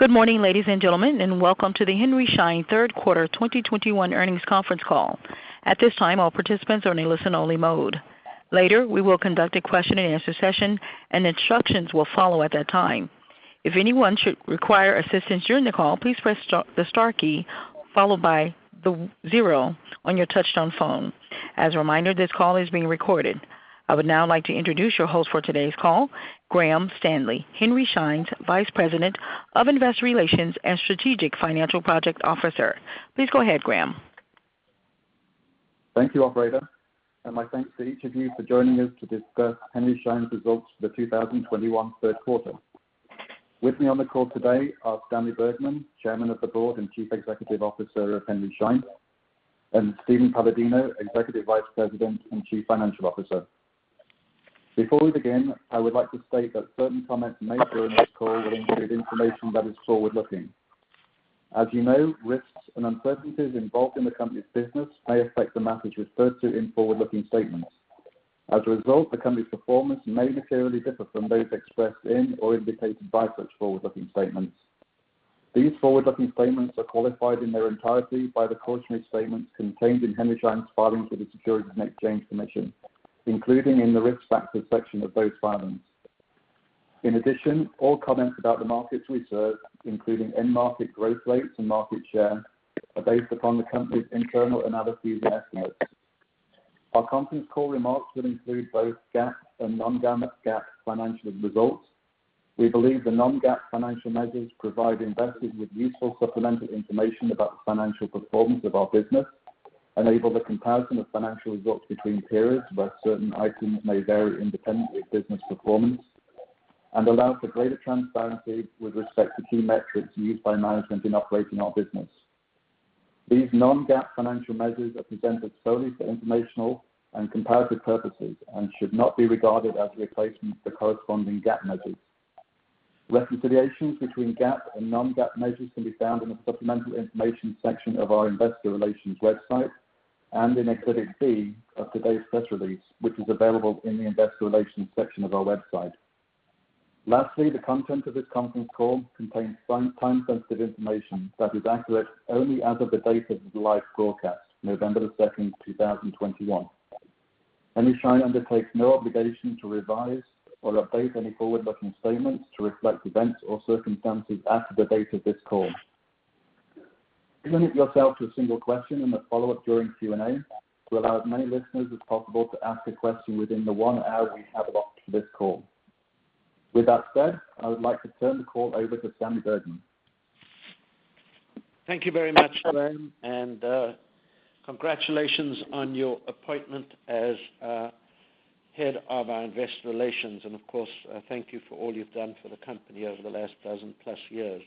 Good morning, ladies and gentlemen, and welcome to the Henry Schein Third Quarter 2021 earnings conference call. At this time, all participants are in listen-only mode. Later, we will conduct a question and answer session and instructions will follow at that time. If anyone should require assistance during the call, please press star, the star key followed by the zero on your touchtone phone. As a reminder, this call is being recorded. I would now like to introduce your host for today's call, Graham Stanley, Henry Schein's Vice President of Investor Relations and Strategic Financial Project Officer. Please go ahead, Graham. Thank you, operator. My thanks to each of you for joining us to discuss Henry Schein's results for the 2021 third quarter. With me on the call today are Stanley Bergman, Chairman of the Board and Chief Executive Officer of Henry Schein, and Steven Paladino, Executive Vice President and Chief Financial Officer. Before we begin, I would like to state that certain comments made during this call will include information that is forward-looking. As you know, risks and uncertainties involved in the company's business may affect the matters referred to in forward-looking statements. As a result, the company's performance may materially differ from those expressed in or indicated by such forward-looking statements. These forward-looking statements are qualified in their entirety by the cautionary statements contained in Henry Schein's filings with the Securities and Exchange Commission, including in the Risk Factors section of those filings. In addition, all comments about the markets we serve, including end market growth rates and market share, are based upon the company's internal analyses and estimates. Our conference call remarks will include both GAAP and non-GAAP financial results. We believe the non-GAAP financial measures provide investors with useful supplemental information about the financial performance of our business, enable the comparison of financial results between periods where certain items may vary independently of business performance, and allows for greater transparency with respect to key metrics used by management in operating our business. These non-GAAP financial measures are presented solely for informational and comparative purposes and should not be regarded as replacements for corresponding GAAP measures. Reconciliations between GAAP and non-GAAP measures can be found in the supplemental information section of our investor relations website and in exhibit B of today's press release, which is available in the investor relations section of our website. Lastly, the content of this conference call contains time-sensitive information that is accurate only as of the date of the live broadcast, November 2, 2021. Henry Schein undertakes no obligation to revise or update any forward-looking statements to reflect events or circumstances after the date of this call. Limit yourself to a single question and a follow-up during Q&A to allow as many listeners as possible to ask a question within the one hour we have allotted for this call. With that said, I would like to turn the call over to Stanley Bergman. Thank you very much, Graham, and, congratulations on your appointment as, head of our Investor Relations. Of course, thank you for all you've done for the company over the last dozen plus years.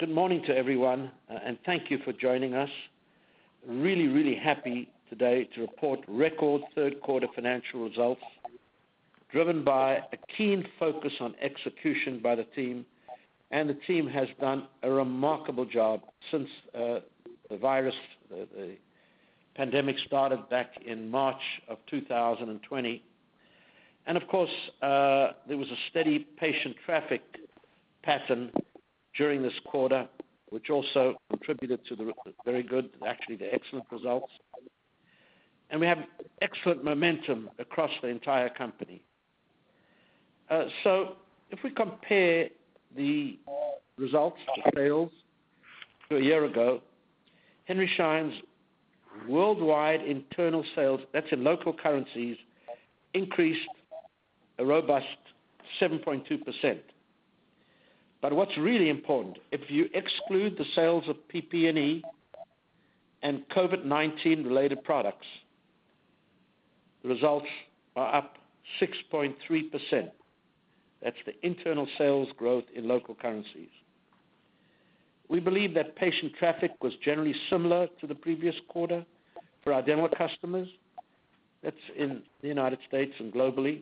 Good morning to everyone, and thank you for joining us. Really happy today to report record third quarter financial results, driven by a keen focus on execution by the team. The team has done a remarkable job since, the virus, the pandemic started back in March of 2020. Of course, there was a steady patient traffic pattern during this quarter, which also contributed to the very good, actually the excellent results. We have excellent momentum across the entire company. If we compare the results to sales to a year ago, Henry Schein's worldwide internal sales, that's in local currencies, increased a robust 7.2%. What's really important, if you exclude the sales of PPE and COVID-19 related products, the results are up 6.3%. That's the internal sales growth in local currencies. We believe that patient traffic was generally similar to the previous quarter for our dental customers. That's in the United States and globally.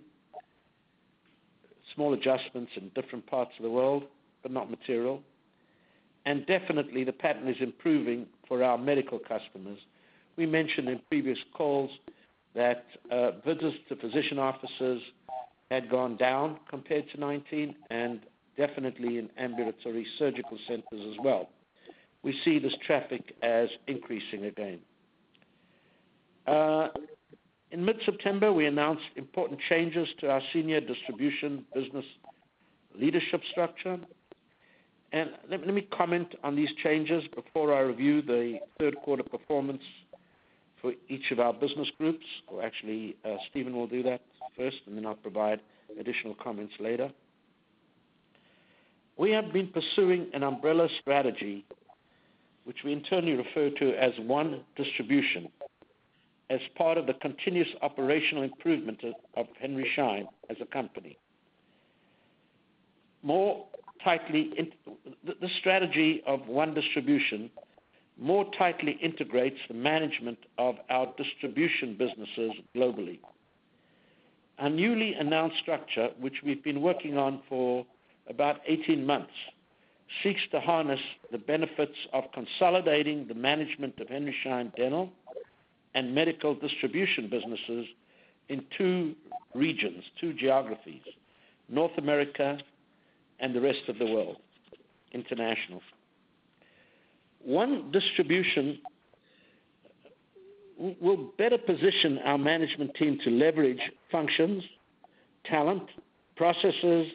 Small adjustments in different parts of the world, but not material. Definitely the pattern is improving for our medical customers. We mentioned in previous calls that visits to physician offices had gone down compared to 2019, and definitely in ambulatory surgical centers as well. We see this traffic as increasing again. In mid-September, we announced important changes to our senior distribution business leadership structure. Let me comment on these changes before I review the third quarter performance for each of our business groups. Or actually, Steven will do that first, and then I'll provide additional comments later. We have been pursuing an umbrella strategy, which we internally refer to as One Distribution, as part of the continuous operational improvement of Henry Schein as a company. The strategy of One Distribution more tightly integrates the management of our distribution businesses globally. Our newly announced structure, which we've been working on for about 18 months. Seeks to harness the benefits of consolidating the management of Henry Schein Dental and medical distribution businesses in two regions, two geographies, North America and the rest of the world, international. One Distribution will better position our management team to leverage functions, talent, processes,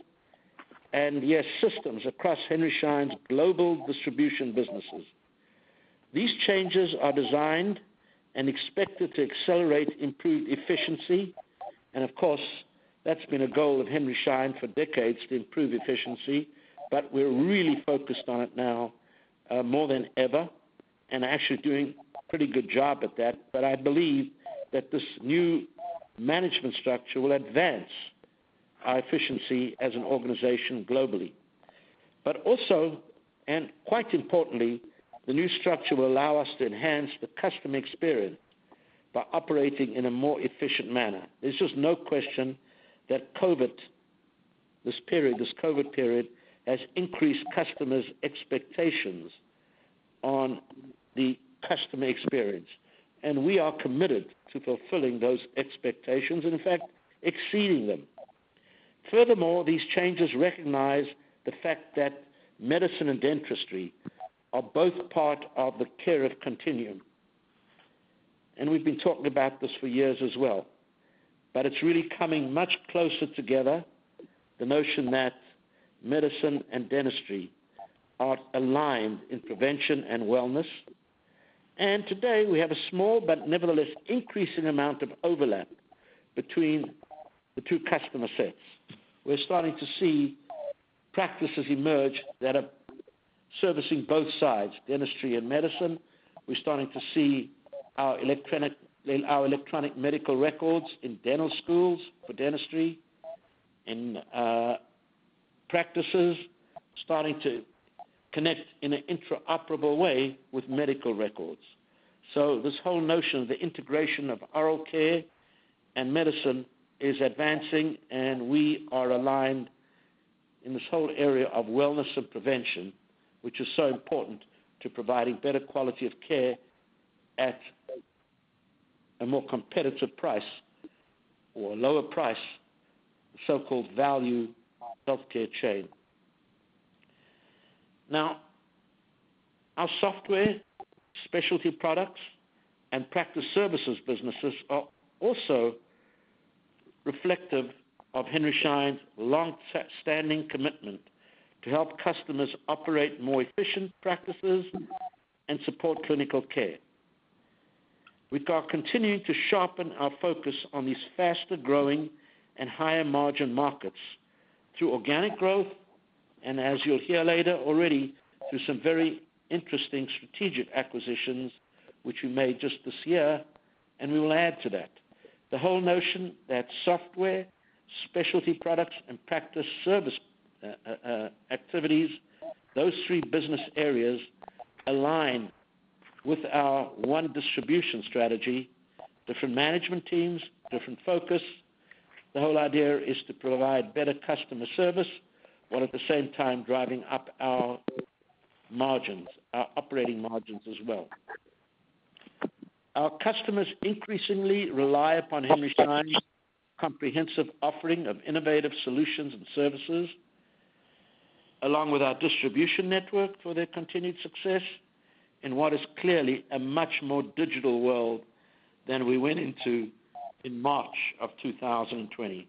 and yes, systems across Henry Schein's global distribution businesses. These changes are designed and expected to accelerate improved efficiency, and of course, that's been a goal of Henry Schein for decades, to improve efficiency, but we're really focused on it now, more than ever, and actually doing a pretty good job at that. I believe that this new management structure will advance our efficiency as an organization globally. Quite importantly, the new structure will allow us to enhance the customer experience by operating in a more efficient manner. There's just no question that COVID, this period, this COVID period, has increased customers' expectations on the customer experience, and we are committed to fulfilling those expectations and in fact, exceeding them. Furthermore, these changes recognize the fact that medicine and dentistry are both part of the care continuum. We've been talking about this for years as well, but it's really coming much closer together, the notion that medicine and dentistry are aligned in prevention and wellness. Today, we have a small but nevertheless increasing amount of overlap between the two customer sets. We're starting to see practices emerge that are servicing both sides, dentistry and medicine. We're starting to see our electronic medical records in dental schools for dentistry, in practices starting to connect in an interoperable way with medical records. This whole notion of the integration of oral care and medicine is advancing, and we are aligned in this whole area of wellness and prevention, which is so important to providing better quality of care at a more competitive price or a lower price, the so-called value healthcare chain. Now, our software, specialty products, and practice services businesses are also reflective of Henry Schein's longstanding commitment to help customers operate more efficient practices and support clinical care. We are continuing to sharpen our focus on these faster-growing and higher-margin markets through organic growth, and as you'll hear later already, through some very interesting strategic acquisitions which we made just this year, and we will add to that. The whole notion that software, specialty products, and practice service activities, those three business areas align with our One Distribution strategy, different management teams, different focus. The whole idea is to provide better customer service, while at the same time driving up our margins, our operating margins as well. Our customers increasingly rely upon Henry Schein's comprehensive offering of innovative solutions and services, along with our distribution network for their continued success in what is clearly a much more digital world than we went into in March of 2020.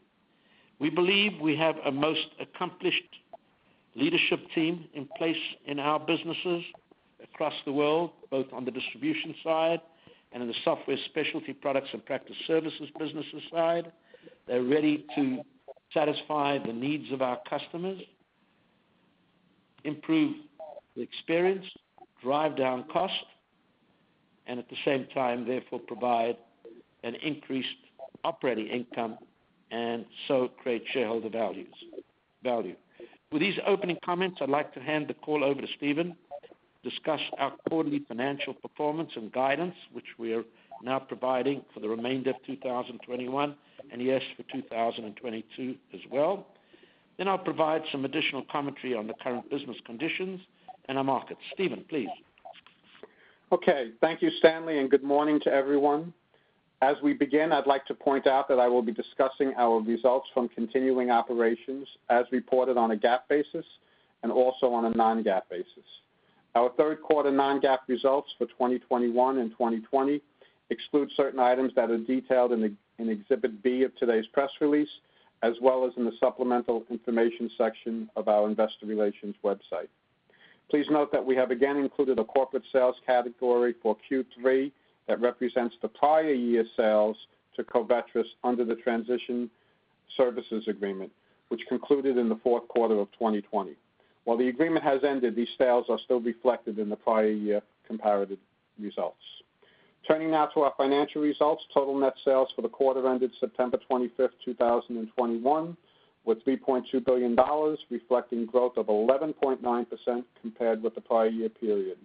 We believe we have a most accomplished leadership team in place in our businesses across the world, both on the distribution side and in the software specialty products and practice services businesses side. They're ready to satisfy the needs of our customers, improve the experience, drive down cost, and at the same time, therefore provide an increased operating income and so create shareholder value. With these opening comments, I'd like to hand the call over to Steven to discuss our quarterly financial performance and guidance, which we are now providing for the remainder of 2021, and yes, for 2022 as well. Then I'll provide some additional commentary on the current business conditions and our markets. Steven, please? Okay. Thank you, Stanley, and good morning to everyone. As we begin, I'd like to point out that I will be discussing our results from continuing operations as reported on a GAAP basis and also on a non-GAAP basis. Our third quarter non-GAAP results for 2021 and 2020 exclude certain items that are detailed in Exhibit B of today's press release, as well as in the supplemental information section of our investor relations website. Please note that we have again included a corporate sales category for Q3 that represents the prior year sales to Covetrus under the transition services agreement, which concluded in the fourth quarter of 2020. While the agreement has ended, these sales are still reflected in the prior year comparative results. Turning now to our financial results. Total net sales for the quarter ended September 25, 2021 were $3.2 billion, reflecting growth of 11.9% compared with the prior year period.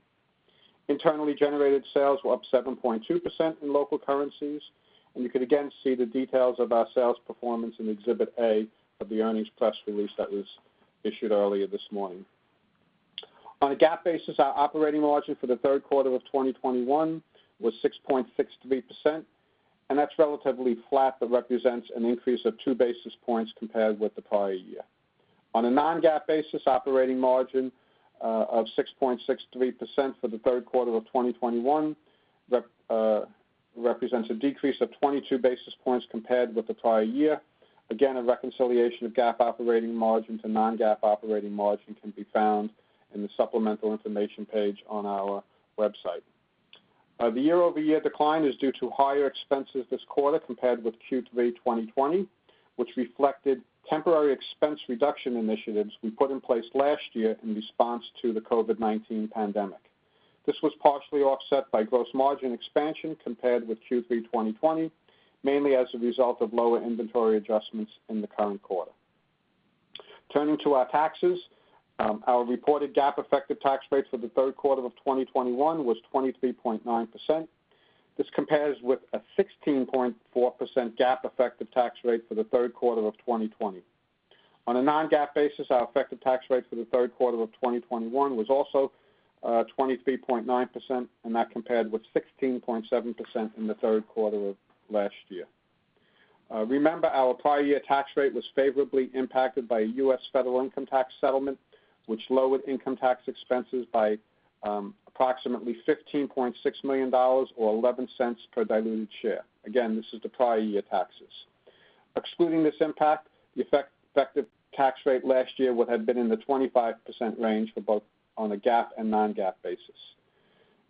Internally generated sales were up 7.2% in local currencies, and you can again see the details of our sales performance in Exhibit A of the earnings press release that was issued earlier this morning. On a GAAP basis, our operating margin for the third quarter of 2021 was 6.63%, and that's relatively flat, but represents an increase of two basis points compared with the prior year. On a non-GAAP basis, operating margin of 6.63% for the third quarter of 2021 represents a decrease of 22 basis points compared with the prior year. Again, a reconciliation of GAAP operating margin to non-GAAP operating margin can be found in the supplemental information page on our website. The year-over-year decline is due to higher expenses this quarter compared with Q3 2020, which reflected temporary expense reduction initiatives we put in place last year in response to the COVID-19 pandemic. This was partially offset by gross margin expansion compared with Q3 2020, mainly as a result of lower inventory adjustments in the current quarter. Turning to our taxes, our reported GAAP effective tax rate for the third quarter of 2021 was 23.9%. This compares with a 16.4% GAAP effective tax rate for the third quarter of 2020. On a non-GAAP basis, our effective tax rate for the third quarter of 2021 was also 23.9%, and that compared with 16.7% in the third quarter of last year. Remember our prior year tax rate was favorably impacted by a U.S. federal income tax settlement, which lowered income tax expenses by approximately $15.6 million or $0.11 per diluted share. Again, this is the prior year taxes. Excluding this impact, the effective tax rate last year would have been in the 25% range for both on a GAAP and non-GAAP basis.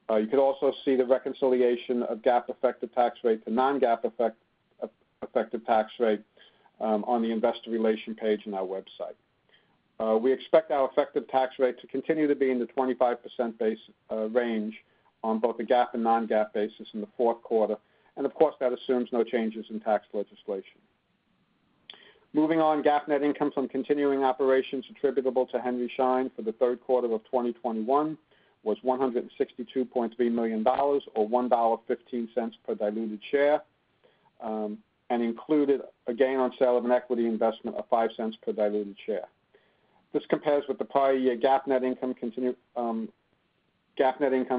You could also see the reconciliation of GAAP effective tax rate to non-GAAP effective tax rate on the investor relations page on our website. We expect our effective tax rate to continue to be in the 25% range on both a GAAP and non-GAAP basis in the fourth quarter. Of course, that assumes no changes in tax legislation. Moving on, GAAP net income from continuing operations attributable to Henry Schein for the third quarter of 2021 was $162.3 million or $1.15 per diluted share, and included a gain on sale of an equity investment of $0.05 per diluted share. This compares with the prior year GAAP net income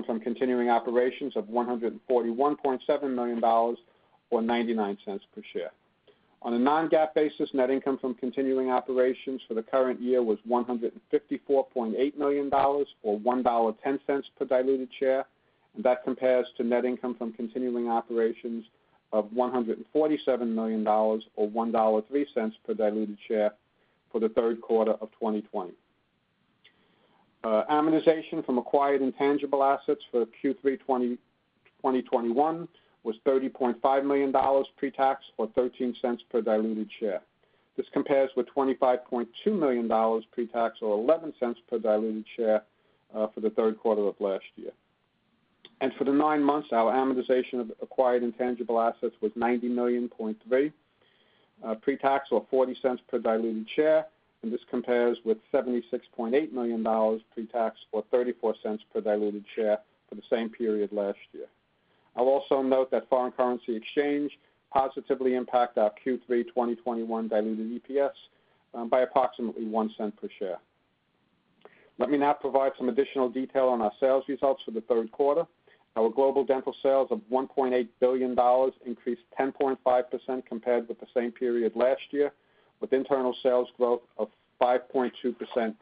from continuing operations of $141.7 million or $0.99 per share. On a non-GAAP basis, net income from continuing operations for the current year was $154.8 million or $1.10 per diluted share, and that compares to net income from continuing operations of $147 million or $1.03 per diluted share for the third quarter of 2020. Amortization from acquired intangible assets for Q3 2021 was $30.5 million pre-tax or $0.13 per diluted share. This compares with $25.2 million pre-tax or $0.11 per diluted share for the third quarter of last year. For the nine months, our amortization of acquired intangible assets was $90.3 million pre-tax or $0.40 per diluted share, and this compares with $76.8 million pre-tax or $0.34 per diluted share for the same period last year. I'll also note that foreign currency exchange positively impact our Q3 2021 diluted EPS by approximately $0.01 per share. Let me now provide some additional detail on our sales results for the third quarter. Our global dental sales of $1.8 billion increased 10.5% compared with the same period last year, with internal sales growth of 5.2%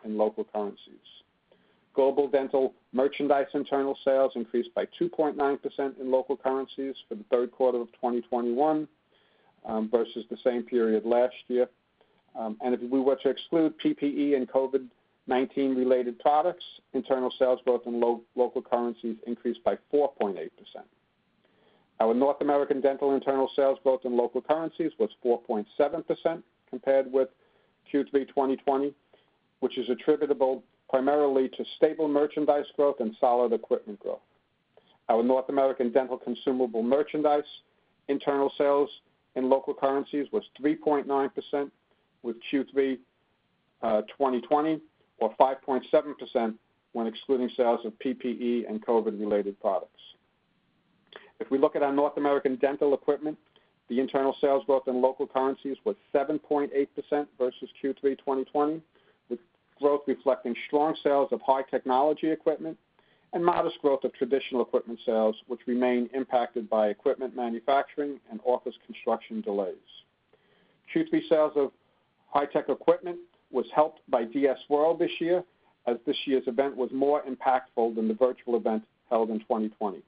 in local currencies. Global dental merchandise internal sales increased by 2.9% in local currencies for the third quarter of 2021 versus the same period last year. If we were to exclude PPE and COVID-19 related products, internal sales growth in local currencies increased by 4.8%. Our North American dental internal sales growth in local currencies was 4.7% compared with Q3 2020, which is attributable primarily to stable merchandise growth and solid equipment growth. Our North American dental consumable merchandise internal sales in local currencies was 3.9% with Q3 2020 or 5.7% when excluding sales of PPE and COVID-19 related products. If we look at our North American dental equipment, the internal sales growth in local currencies was 7.8% versus Q3 2020, with growth reflecting strong sales of high technology equipment and modest growth of traditional equipment sales, which remain impacted by equipment manufacturing and office construction delays. Q3 sales of high tech equipment was helped by DS World this year, as this year's event was more impactful than the virtual event held in 2020.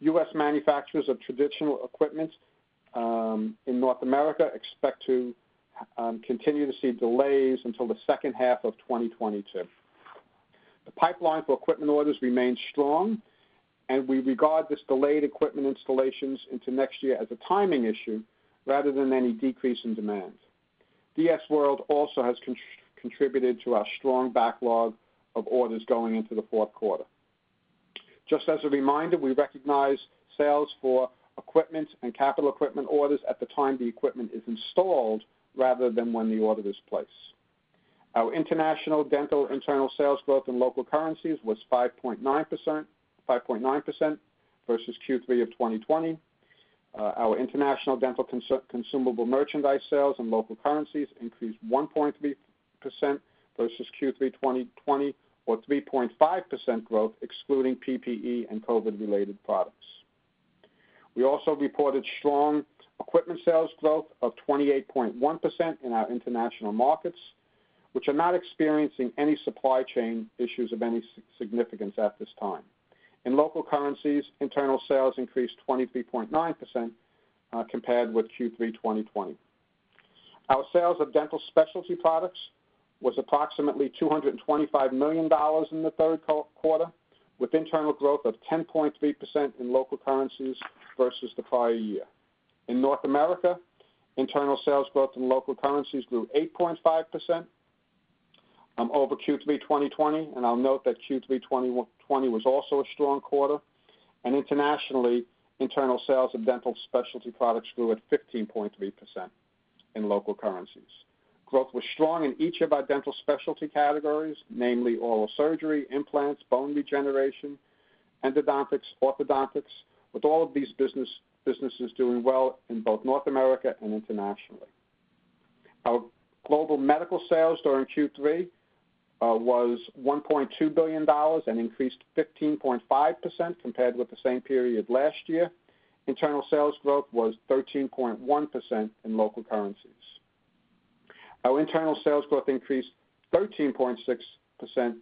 U.S. manufacturers of traditional equipment in North America expect to continue to see delays until the second half of 2022. The pipeline for equipment orders remains strong, and we regard this delayed equipment installations into next year as a timing issue rather than any decrease in demand. DS World also has contributed to our strong backlog of orders going into the fourth quarter. Just as a reminder, we recognize sales for equipment and capital equipment orders at the time the equipment is installed rather than when the order is placed. Our international dental internal sales growth in local currencies was 5.9%, 5.9% versus Q3 of 2020. Our international dental consumable merchandise sales in local currencies increased 1.3% versus Q3 2020 or 3.5% growth excluding PPE and COVID related products. We also reported strong equipment sales growth of 28.1% in our international markets, which are not experiencing any supply chain issues of any significance at this time. In local currencies, internal sales increased 23.9% compared with Q3 2020. Our sales of dental specialty products was approximately $225 million in the third quarter, with internal growth of 10.3% in local currencies versus the prior year. In North America, internal sales growth in local currencies grew 8.5% over Q3 2020, and I'll note that Q3 2020 was also a strong quarter. Internationally, internal sales of dental specialty products grew at 15.3% in local currencies. Growth was strong in each of our dental specialty categories, namely oral surgery, implants, bone regeneration, endodontics, orthodontics, with all of these businesses doing well in both North America and internationally. Our global medical sales during Q3 was $1.2 billion and increased 15.5% compared with the same period last year. Internal sales growth was 13.1% in local currencies. Our internal sales growth increased 13.6%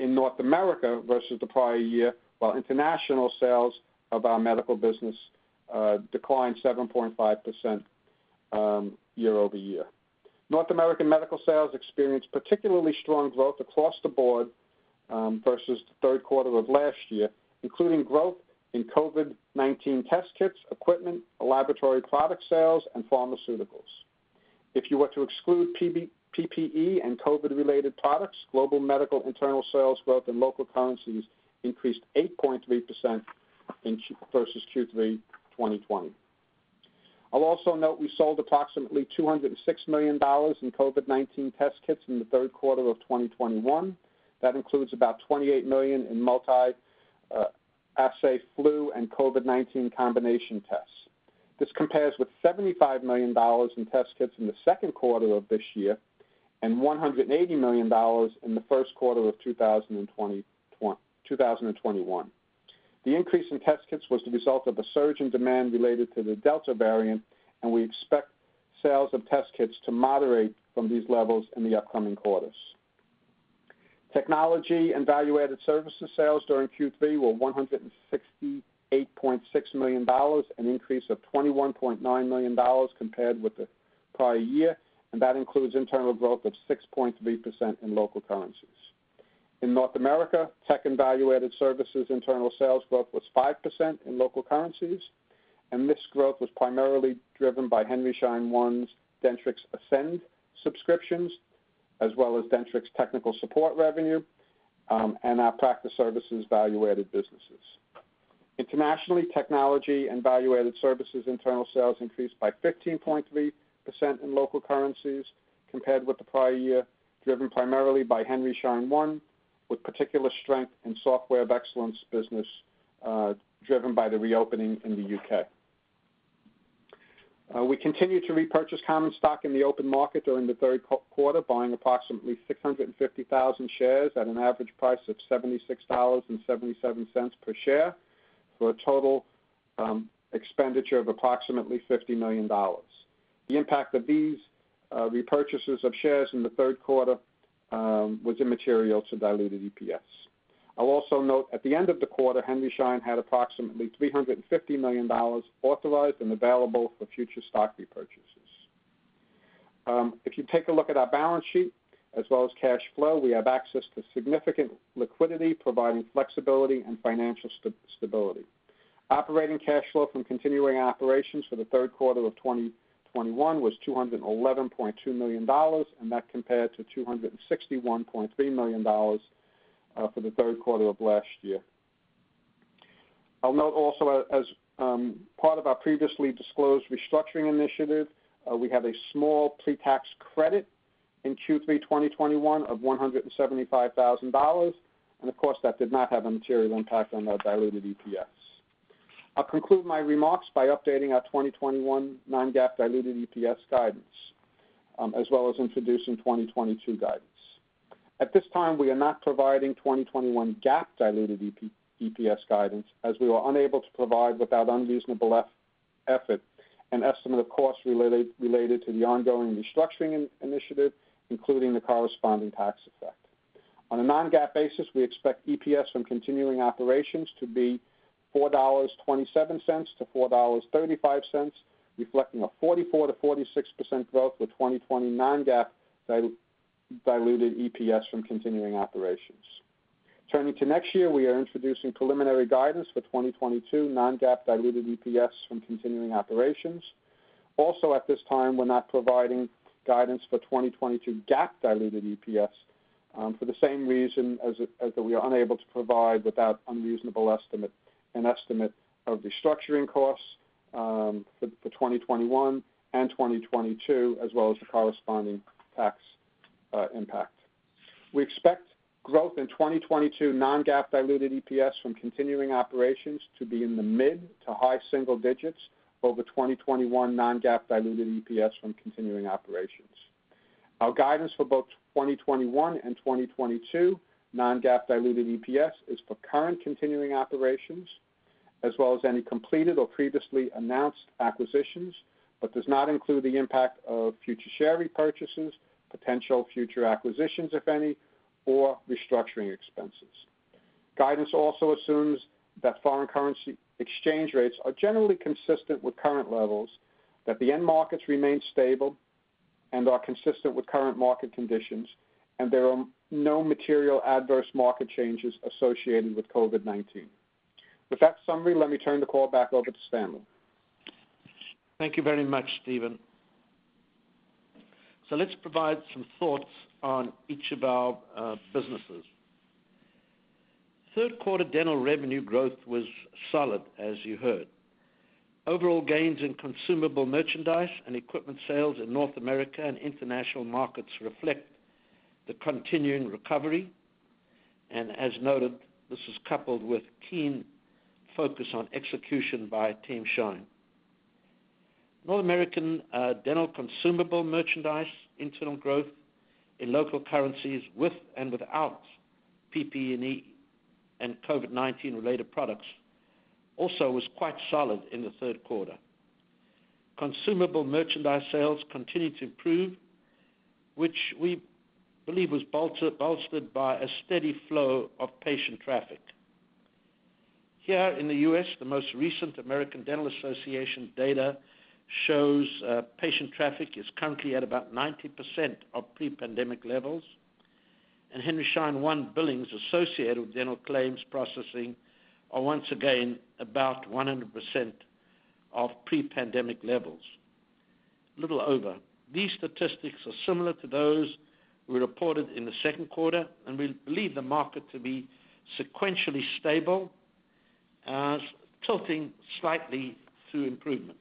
in North America versus the prior year, while international sales of our medical business declined 7.5% year-over-year. North American Medical sales experienced particularly strong growth across the board versus the third quarter of last year, including growth in COVID-19 test kits, equipment, laboratory product sales, and pharmaceuticals. If you were to exclude PPE and COVID related products, global Medical internal sales growth in local currencies increased 8.3% versus Q3 2020. I'll also note we sold approximately $206 million in COVID-19 test kits in the third quarter of 2021. That includes about $28 million in multi-assay flu and COVID-19 combination tests. This compares with $75 million in test kits in the second quarter of this year and $180 million in the first quarter of 2021. The increase in test kits was the result of a surge in demand related to the Delta variant, and we expect sales of test kits to moderate from these levels in the upcoming quarters. Technology and value-added services sales during Q3 were $168.6 million, an increase of $21.9 million compared with the prior year, and that includes internal growth of 6.3% in local currencies. In North America, tech and value-added services internal sales growth was 5% in local currencies, and this growth was primarily driven by Henry Schein One's Dentrix Ascend subscriptions, as well as Dentrix technical support revenue, and our practice services value-added businesses. Internationally, technology and value-added services internal sales increased by 15.3% in local currencies compared with the prior year, driven primarily by Henry Schein One, with particular strength in Software of Excellence business, driven by the reopening in the U.K. We continued to repurchase common stock in the open market during the third quarter, buying approximately 650,000 shares at an average price of $76.77 per share for a total expenditure of approximately $50 million. The impact of these repurchases of shares in the third quarter was immaterial to diluted EPS. I'll also note at the end of the quarter, Henry Schein had approximately $350 million authorized and available for future stock repurchases. If you take a look at our balance sheet as well as cash flow, we have access to significant liquidity, providing flexibility and financial stability. Operating cash flow from continuing operations for the third quarter of 2021 was $211.2 million, and that compared to $261.3 million for the third quarter of last year. I'll note also as part of our previously disclosed restructuring initiative, we have a small pre-tax credit in Q3 2021 of $175,000. Of course, that did not have a material impact on our diluted EPS. I'll conclude my remarks by updating our 2021 non-GAAP diluted EPS guidance, as well as introducing 2022 guidance. At this time, we are not providing 2021 GAAP diluted EPS guidance as we were unable to provide without unreasonable effort an estimate of costs related to the ongoing restructuring initiative, including the corresponding tax effect. On a non-GAAP basis, we expect EPS from continuing operations to be $4.27-$4.35, reflecting a 44%-46% growth for 2020 non-GAAP diluted EPS from continuing operations. Turning to next year, we are introducing preliminary guidance for 2022 non-GAAP diluted EPS from continuing operations. Also, at this time, we're not providing guidance for 2022 GAAP diluted EPS, for the same reason as we are unable to provide without unreasonable effort an estimate of restructuring costs for 2021 and 2022, as well as the corresponding tax impact. We expect growth in 2022 non-GAAP diluted EPS from continuing operations to be in the mid- to high-single digits over 2021 non-GAAP diluted EPS from continuing operations. Our guidance for both 2021 and 2022 non-GAAP diluted EPS is for current continuing operations, as well as any completed or previously announced acquisitions, but does not include the impact of future share repurchases, potential future acquisitions, if any, or restructuring expenses. Guidance also assumes that foreign currency exchange rates are generally consistent with current levels, that the end markets remain stable and are consistent with current market conditions, and there are no material adverse market changes associated with COVID-19. With that summary, let me turn the call back over to Stanley. Thank you very much, Steven. Let's provide some thoughts on each of our businesses. Third quarter dental revenue growth was solid, as you heard. Overall gains in consumable merchandise and equipment sales in North America and international markets reflect the continuing recovery. As noted, this is coupled with keen focus on execution by Team Schein. North American dental consumable merchandise internal growth in local currencies with and without PP&E and COVID-19 related products also was quite solid in the third quarter. Consumable merchandise sales continued to improve, which we believe was bolstered by a steady flow of patient traffic. Here in the U.S., the most recent American Dental Association data shows patient traffic is currently at about 90% of pre-pandemic levels. Henry Schein One billings associated with dental claims processing are once again about 100% of pre-pandemic levels, a little over. These statistics are similar to those we reported in the second quarter, and we believe the market to be sequentially stable, tilting slightly toward improvement.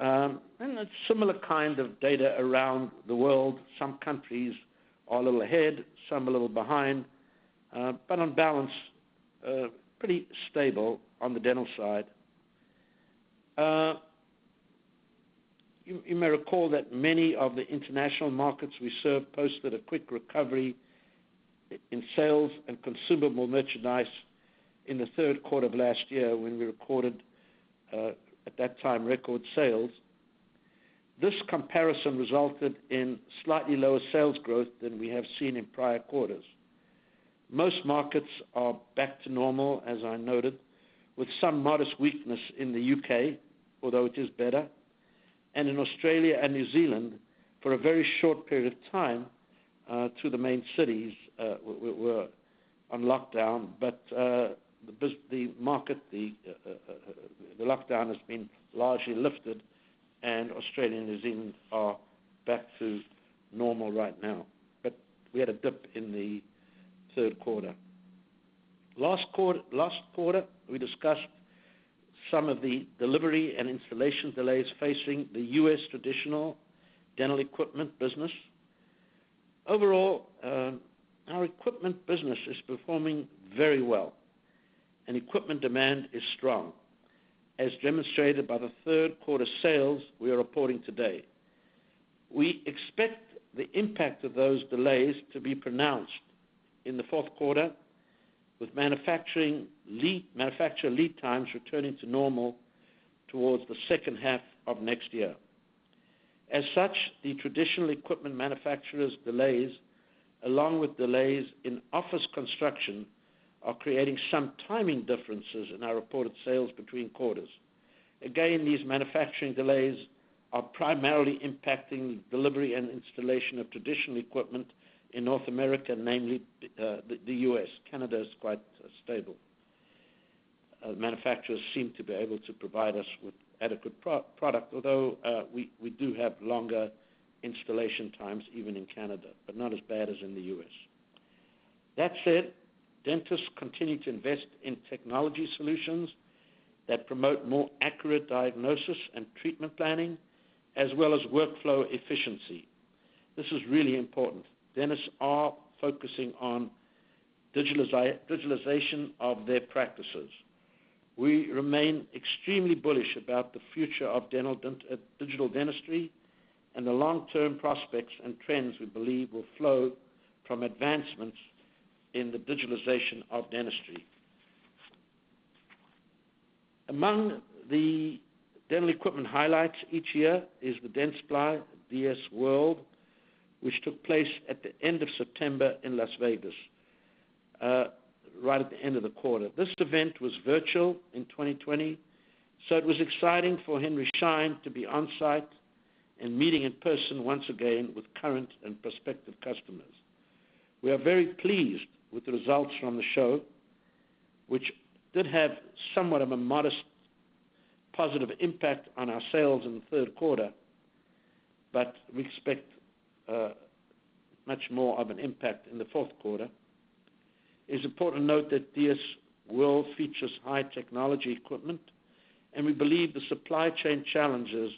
A similar kind of data around the world. Some countries are a little ahead, some a little behind, on balance, pretty stable on the dental side. You may recall that many of the international markets we serve posted a quick recovery in sales and consumable merchandise in the third quarter of last year when we recorded, at that time, record sales. This comparison resulted in slightly lower sales growth than we have seen in prior quarters. Most markets are back to normal, as I noted, with some modest weakness in the U.K., although it is better. In Australia and New Zealand, for a very short period of time, two of the main cities, we were on lockdown, but the business, the market, the lockdown has been largely lifted, and Australia and New Zealand are back to normal right now. We had a dip in the third quarter. Last quarter, we discussed some of the delivery and installation delays facing the U.S. traditional dental equipment business. Overall, our equipment business is performing very well, and equipment demand is strong, as demonstrated by the third quarter sales we are reporting today. We expect the impact of those delays to be pronounced in the fourth quarter, with manufacturing lead times returning to normal towards the second half of next year. As such, the traditional equipment manufacturers delays, along with delays in office construction, are creating some timing differences in our reported sales between quarters. Again, these manufacturing delays are primarily impacting delivery and installation of traditional equipment in North America, namely, the U.S. Canada is quite stable. Manufacturers seem to be able to provide us with adequate product, although we do have longer installation times, even in Canada, but not as bad as in the U.S. That said, dentists continue to invest in technology solutions that promote more accurate diagnosis and treatment planning as well as workflow efficiency. This is really important. Dentists are focusing on digitalization of their practices. We remain extremely bullish about the future of dental digital dentistry and the long-term prospects and trends we believe will flow from advancements in the digitalization of dentistry. Among the dental equipment highlights each year is the Dentsply, DS World, which took place at the end of September in Las Vegas, right at the end of the quarter. This event was virtual in 2020, so it was exciting for Henry Schein to be on site and meeting in person once again with current and prospective customers. We are very pleased with the results from the show, which did have somewhat of a modest positive impact on our sales in the third quarter, but we expect much more of an impact in the fourth quarter. It's important to note that DS World features high technology equipment, and we believe the supply chain challenges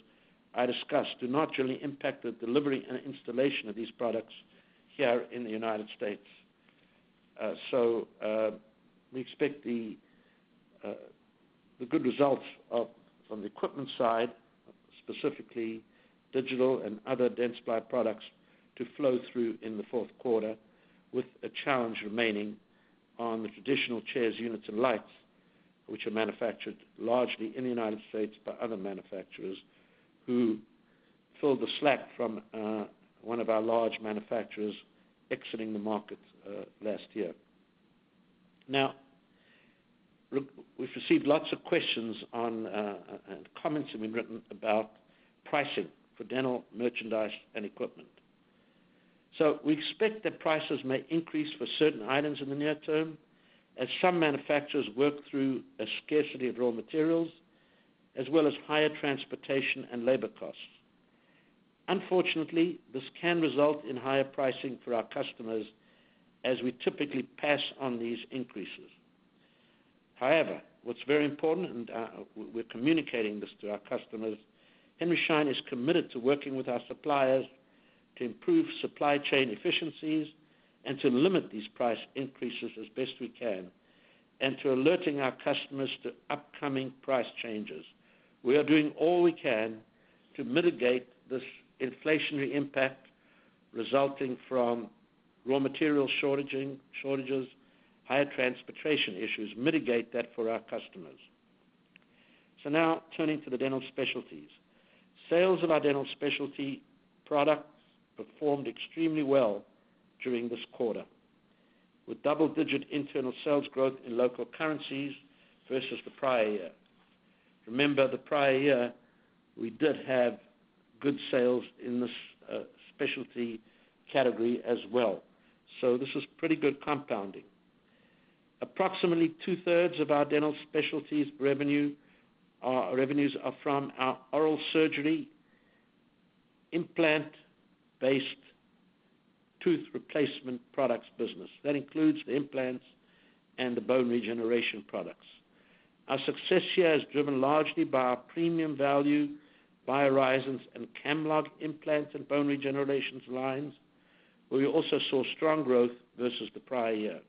I discussed do not really impact the delivery and installation of these products here in the United States. We expect the good results from the equipment side, specifically digital and other Dentsply products, to flow through in the fourth quarter, with a challenge remaining on the traditional chairs, units, and lights, which are manufactured largely in the United States by other manufacturers who filled the slack from one of our large manufacturers exiting the market last year. Now, look, we've received lots of questions and comments have been written about pricing for dental merchandise and equipment. We expect that prices may increase for certain items in the near term as some manufacturers work through a scarcity of raw materials, as well as higher transportation and labor costs. Unfortunately, this can result in higher pricing for our customers as we typically pass on these increases. However, what's very important, and we're communicating this to our customers, Henry Schein is committed to working with our suppliers to improve supply chain efficiencies and to limit these price increases as best we can, and to alerting our customers to upcoming price changes. We are doing all we can to mitigate this inflationary impact resulting from raw material shortages, higher transportation issues, mitigate that for our customers. Now turning to the dental specialties. Sales of our dental specialty products performed extremely well during this quarter, with double-digit internal sales growth in local currencies versus the prior year. Remember, the prior year, we did have good sales in this specialty category as well, so this is pretty good compounding. Approximately two-thirds of our dental specialties revenues are from our oral surgery implant-based tooth replacement products business. That includes the implants and the bone regeneration products. Our success here is driven largely by our premium value, BioHorizons and Camlog implants and bone regeneration lines. We also saw strong growth versus the prior year.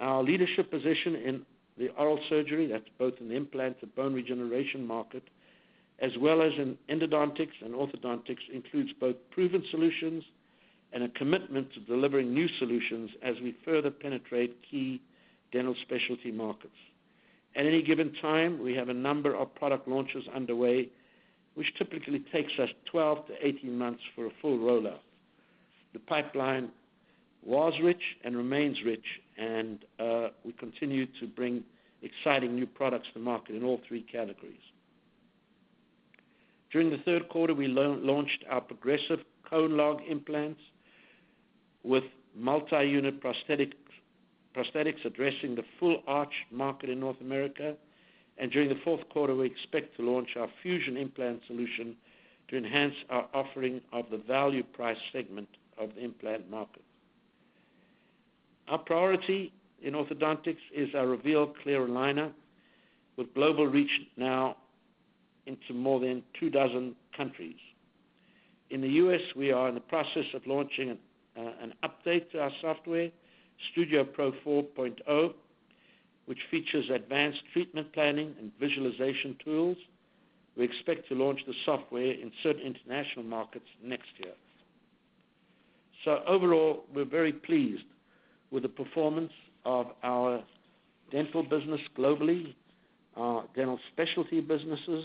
Our leadership position in the oral surgery, that's both in the implant, the bone regeneration market, as well as in endodontics and orthodontics, includes both proven solutions and a commitment to delivering new solutions as we further penetrate key dental specialty markets. At any given time, we have a number of product launches underway, which typically takes us 12-18 months for a full rollout. The pipeline was rich and remains rich, and we continue to bring exciting new products to market in all three categories. During the third quarter, we launched our progressive CONELOG implants with multi-unit prosthetics addressing the full arch market in North America. During the fourth quarter, we expect to launch our fusion implant solution to enhance our offering of the value price segment of the implant market. Our priority in orthodontics is our Reveal Clear Aligner, with global reach now into more than two dozen countries. In the U.S., we are in the process of launching an update to our software, Studio Pro 4.0, which features advanced treatment planning and visualization tools. We expect to launch the software in certain international markets next year. Overall, we're very pleased with the performance of our dental business globally, our dental specialty businesses,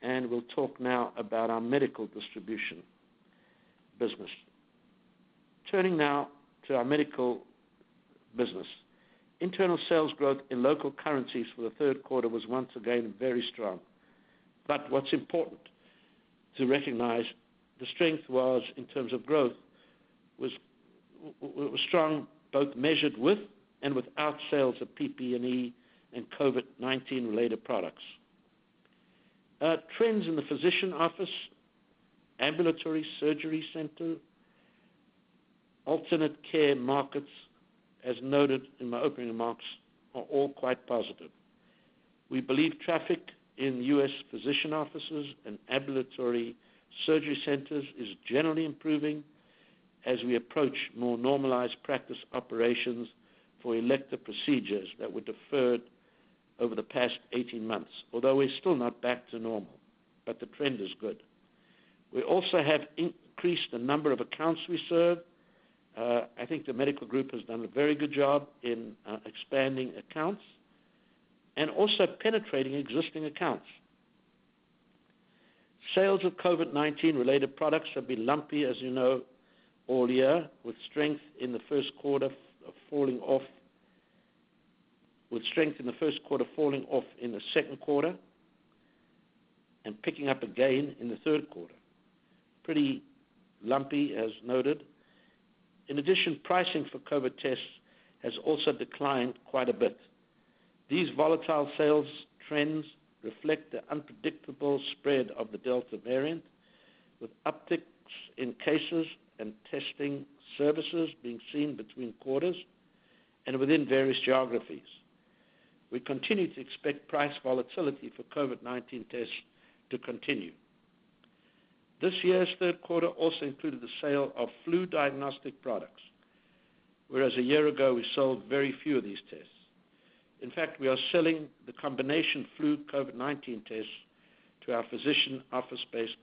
and we'll talk now about our medical distribution business. Turning now to our medical business. Internal sales growth in local currencies for the third quarter was once again very strong. What's important to recognize, the strength was, in terms of growth, strong, both measured with and without sales of PPE and COVID-19 related products. Trends in the physician office, ambulatory surgery center, alternate care markets, as noted in my opening remarks, are all quite positive. We believe traffic in U.S. physician offices and ambulatory surgery centers is generally improving as we approach more normalized practice operations for elective procedures that were deferred over the past 18 months, although we're still not back to normal, but the trend is good. We also have increased the number of accounts we serve. I think the medical group has done a very good job in expanding accounts and also penetrating existing accounts. Sales of COVID-19 related products have been lumpy, as you know, all year, with strength in the first quarter falling off in the second quarter. Picking up again in the third quarter. Pretty lumpy, as noted. In addition, pricing for COVID tests has also declined quite a bit. These volatile sales trends reflect the unpredictable spread of the Delta variant, with upticks in cases and testing services being seen between quarters and within various geographies. We continue to expect price volatility for COVID-19 tests to continue. This year's third quarter also included the sale of flu diagnostic products, whereas a year ago we sold very few of these tests. In fact, we are selling the combination flu/COVID-19 tests to our physician office-based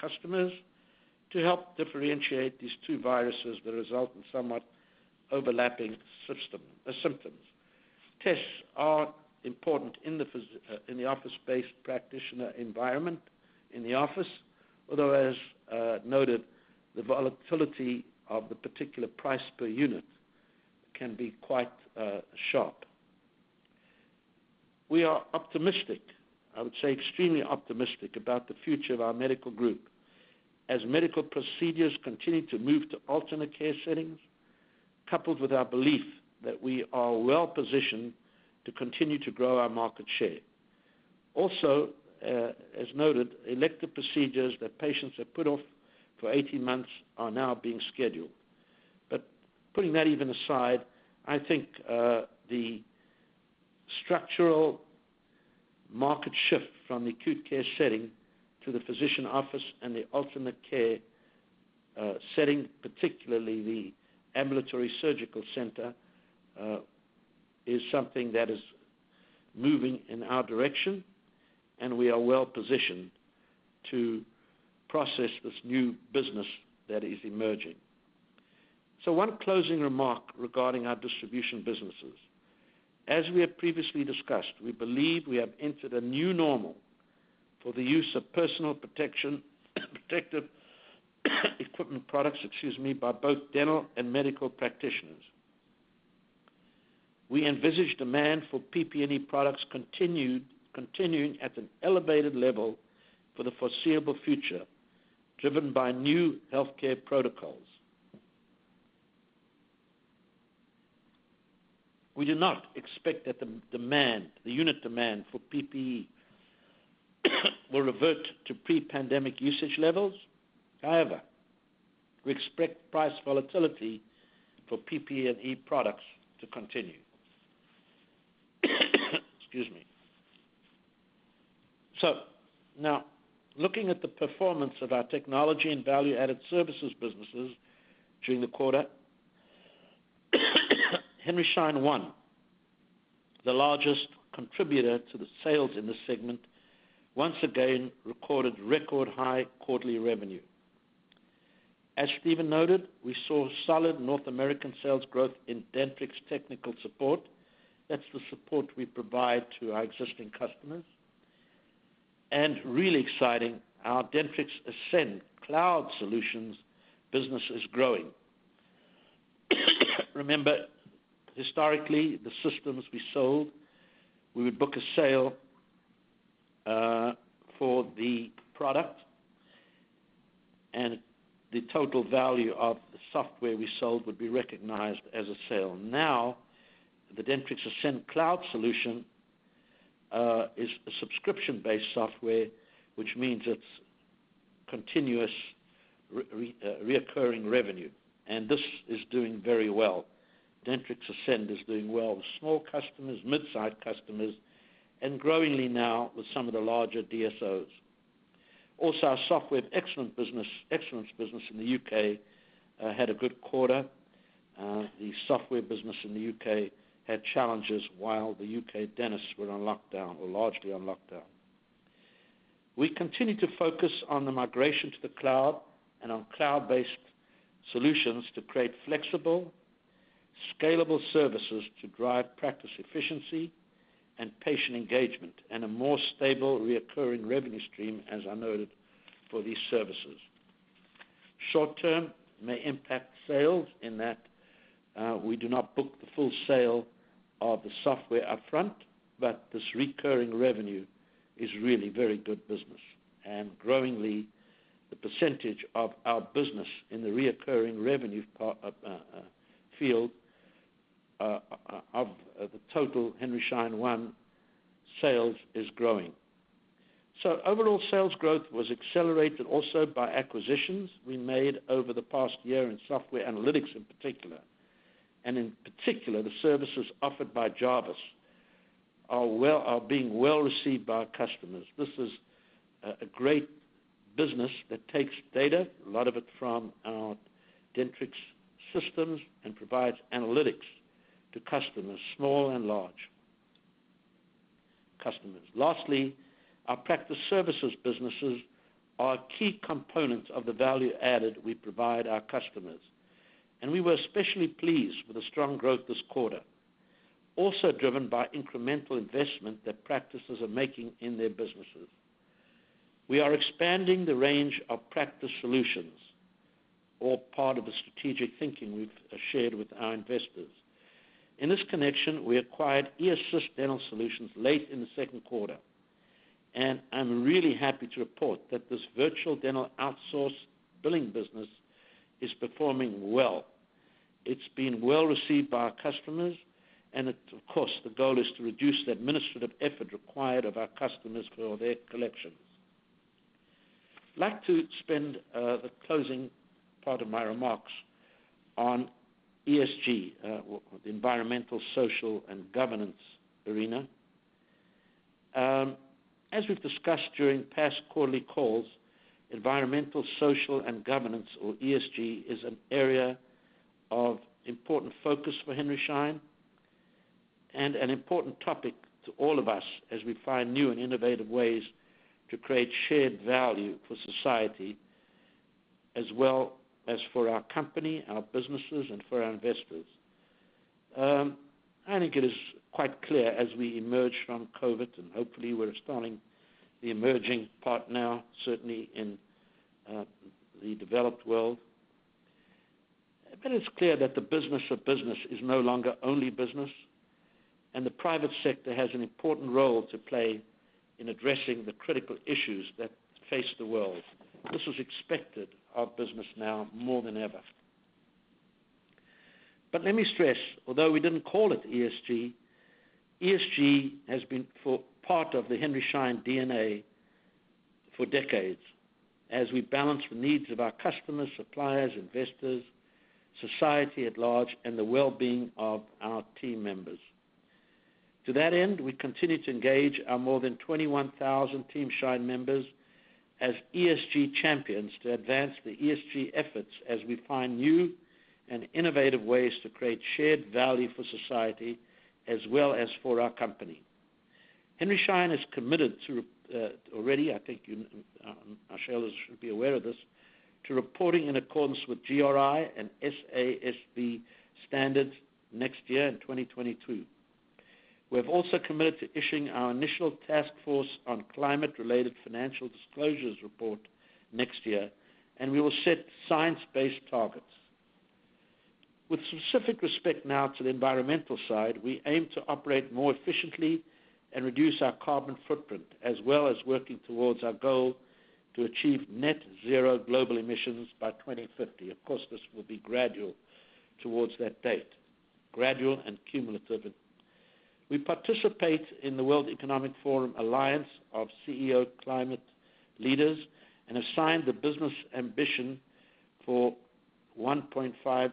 customers to help differentiate these two viruses that result in somewhat overlapping symptoms. Tests are important in the office-based practitioner environment in the office. Although, as noted, the volatility of the particular price per unit can be quite sharp. We are optimistic, I would say extremely optimistic, about the future of our medical group. As medical procedures continue to move to alternate care settings, coupled with our belief that we are well-positioned to continue to grow our market share. Also, as noted, elective procedures that patients have put off for 18 months are now being scheduled. Putting that even aside, I think the structural market shift from the acute care setting to the physician office and the alternate care setting, particularly the ambulatory surgical center, is something that is moving in our direction, and we are well-positioned to process this new business that is emerging. One closing remark regarding our distribution businesses. As we have previously discussed, we believe we have entered a new normal for the use of personal protection, protective equipment products, excuse me, by both dental and medical practitioners. We envisage demand for PPE products continuing at an elevated level for the foreseeable future, driven by new healthcare protocols. We do not expect that the demand, the unit demand for PPE, will revert to pre-pandemic usage levels. However, we expect price volatility for PPE products to continue. Excuse me. Now, looking at the performance of our technology and value-added services businesses during the quarter. Henry Schein One, the largest contributor to the sales in this segment, once again recorded record high quarterly revenue. As Steven noted, we saw solid North American sales growth in Dentrix technical support. That's the support we provide to our existing customers. Really exciting, our Dentrix Ascend Cloud solutions business is growing. Remember, historically, the systems we sold, we would book a sale for the product, and the total value of the software we sold would be recognized as a sale. Now, the Dentrix Ascend Cloud solution is a subscription-based software, which means it's continuous reoccurring revenue, and this is doing very well. Dentrix Ascend is doing well with small customers, mid-sized customers, and growingly now with some of the larger DSOs. Also, our Software of Excellence business in the U.K. had a good quarter. The software business in the U.K. had challenges while the U.K. dentists were on lockdown or largely on lockdown. We continue to focus on the migration to the cloud and on cloud-based solutions to create flexible, scalable services to drive practice efficiency and patient engagement and a more stable recurring revenue stream, as I noted, for these services. Short term may impact sales in that, we do not book the full sale of the software upfront, but this recurring revenue is really very good business. Growingly, the percentage of our business in the recurring revenue part of the total Henry Schein One sales is growing. Overall sales growth was accelerated also by acquisitions we made over the past year in software analytics in particular. In particular, the services offered by Jarvis are being well-received by our customers. This is a great business that takes data, a lot of it from our Dentrix systems, and provides analytics to customers, small and large customers. Lastly, our practice services businesses are key components of the value added we provide our customers, and we were especially pleased with the strong growth this quarter also driven by incremental investment that practices are making in their businesses. We are expanding the range of practice solutions. All part of the strategic thinking we've shared with our investors. In this connection, we acquired eAssist Dental Solutions late in the second quarter, and I'm really happy to report that this virtual dental outsourcing billing business is performing well. It's been well received by our customers, and, of course, the goal is to reduce the administrative effort required of our customers for their collections. I'd like to spend the closing part of my remarks on ESG, or the environmental, social, and governance arena. As we've discussed during past quarterly calls, environmental, social, and governance, or ESG, is an area of important focus for Henry Schein and an important topic to all of us as we find new and innovative ways to create shared value for society, as well as for our company, our businesses, and for our investors. I think it is quite clear as we emerge from COVID, and hopefully we're starting the emerging part now, certainly in the developed world, but it's clear that the business of business is no longer only business, and the private sector has an important role to play in addressing the critical issues that face the world. This is expected of business now more than ever. Let me stress, although we didn't call it ESG has been part of the Henry Schein DNA for decades as we balance the needs of our customers, suppliers, investors, society at large, and the well-being of our team members. To that end, we continue to engage our more than 21,000 Team Schein members as ESG champions to advance the ESG efforts as we find new and innovative ways to create shared value for society as well as for our company. Henry Schein is committed to, already, I think you, our shareholders should be aware of this, to reporting in accordance with GRI and SASB standards next year in 2022. We have also committed to issuing our initial task force on climate-related financial disclosures report next year, and we will set science-based targets. With specific respect now to the environmental side, we aim to operate more efficiently and reduce our carbon footprint, as well as working towards our goal to achieve net zero global emissions by 2050. Of course, this will be gradual towards that date. Gradual and cumulative. We participate in the World Economic Forum Alliance of CEO Climate Leaders and have signed the Business Ambition for 1.5°C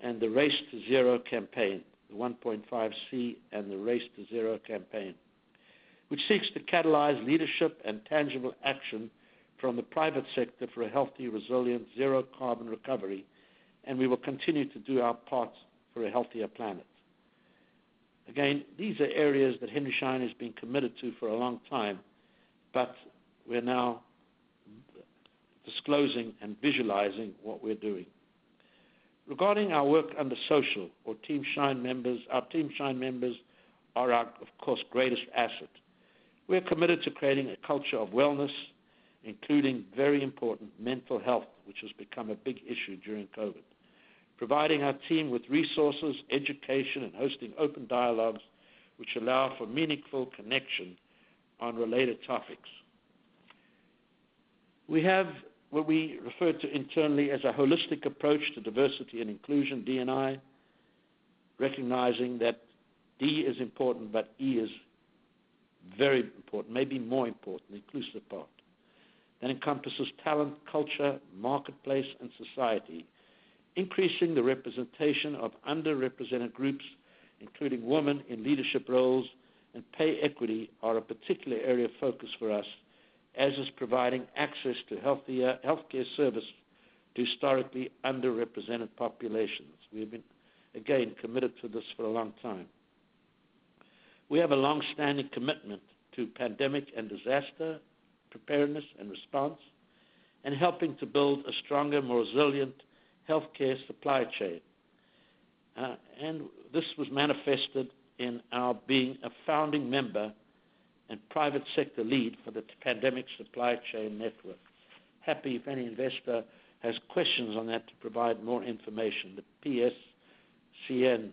and the Race to Zero campaign, the 1.5°C and the Race to Zero campaign, which seeks to catalyze leadership and tangible action from the private sector for a healthy, resilient, zero-carbon recovery, and we will continue to do our part for a healthier planet. Again, these are areas that Henry Schein has been committed to for a long time, but we're now disclosing and visualizing what we're doing. Regarding our work on the social, our Team Schein members, our Team Schein members are our, of course, greatest asset. We are committed to creating a culture of wellness, including very important mental health, which has become a big issue during COVID, providing our team with resources, education, and hosting open dialogues which allow for meaningful connection on related topics. We have what we refer to internally as a holistic approach to diversity and inclusion, D&I, recognizing that D is important, but I is very important, maybe more important, the inclusive part, that encompasses talent, culture, marketplace, and society. Increasing the representation of underrepresented groups, including women in leadership roles and pay equity, are a particular area of focus for us, as is providing access to healthcare service to historically underrepresented populations. We have been, again, committed to this for a long time. We have a long-standing commitment to pandemic and disaster preparedness and response and helping to build a stronger, more resilient healthcare supply chain. This was manifested in our being a founding member and private sector lead for the Pandemic Supply Chain Network. I'm happy to provide more information if any investor has questions on that. The PSCN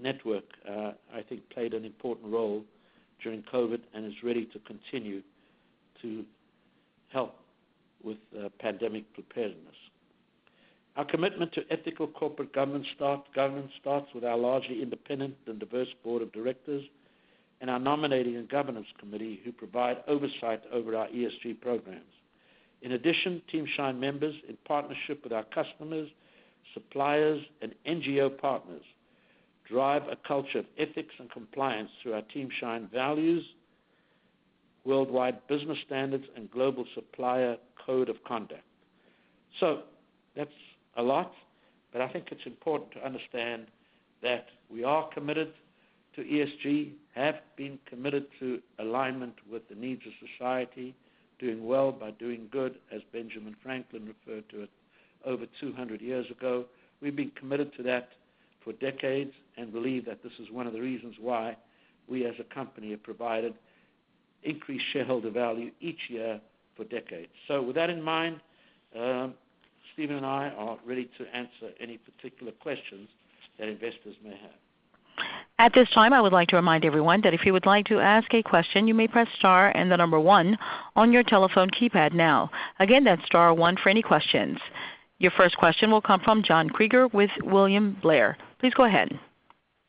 network, I think played an important role during COVID and is ready to continue to help with pandemic preparedness. Our commitment to ethical corporate governance starts with our largely independent and diverse board of directors and our nominating and governance committee who provide oversight over our ESG programs. In addition, Team Schein members, in partnership with our customers, suppliers, and NGO partners, drive a culture of ethics and compliance through our Team Schein values, worldwide business standards, and global supplier code of conduct. That's a lot, but I think it's important to understand that we are committed to ESG, have been committed to alignment with the needs of society, doing well by doing good, as Benjamin Franklin referred to it over 200 years ago. We've been committed to that for decades and believe that this is one of the reasons why we as a company have provided increased shareholder value each year for decades. With that in mind, Steven and I are ready to answer any particular questions that investors may have. At this time, I would like to remind everyone that if you would like to ask a question, you may press star and the number one on your telephone keypad now. Again, that's star one for any questions. Your first question will come from John Kreger with William Blair. Please go ahead.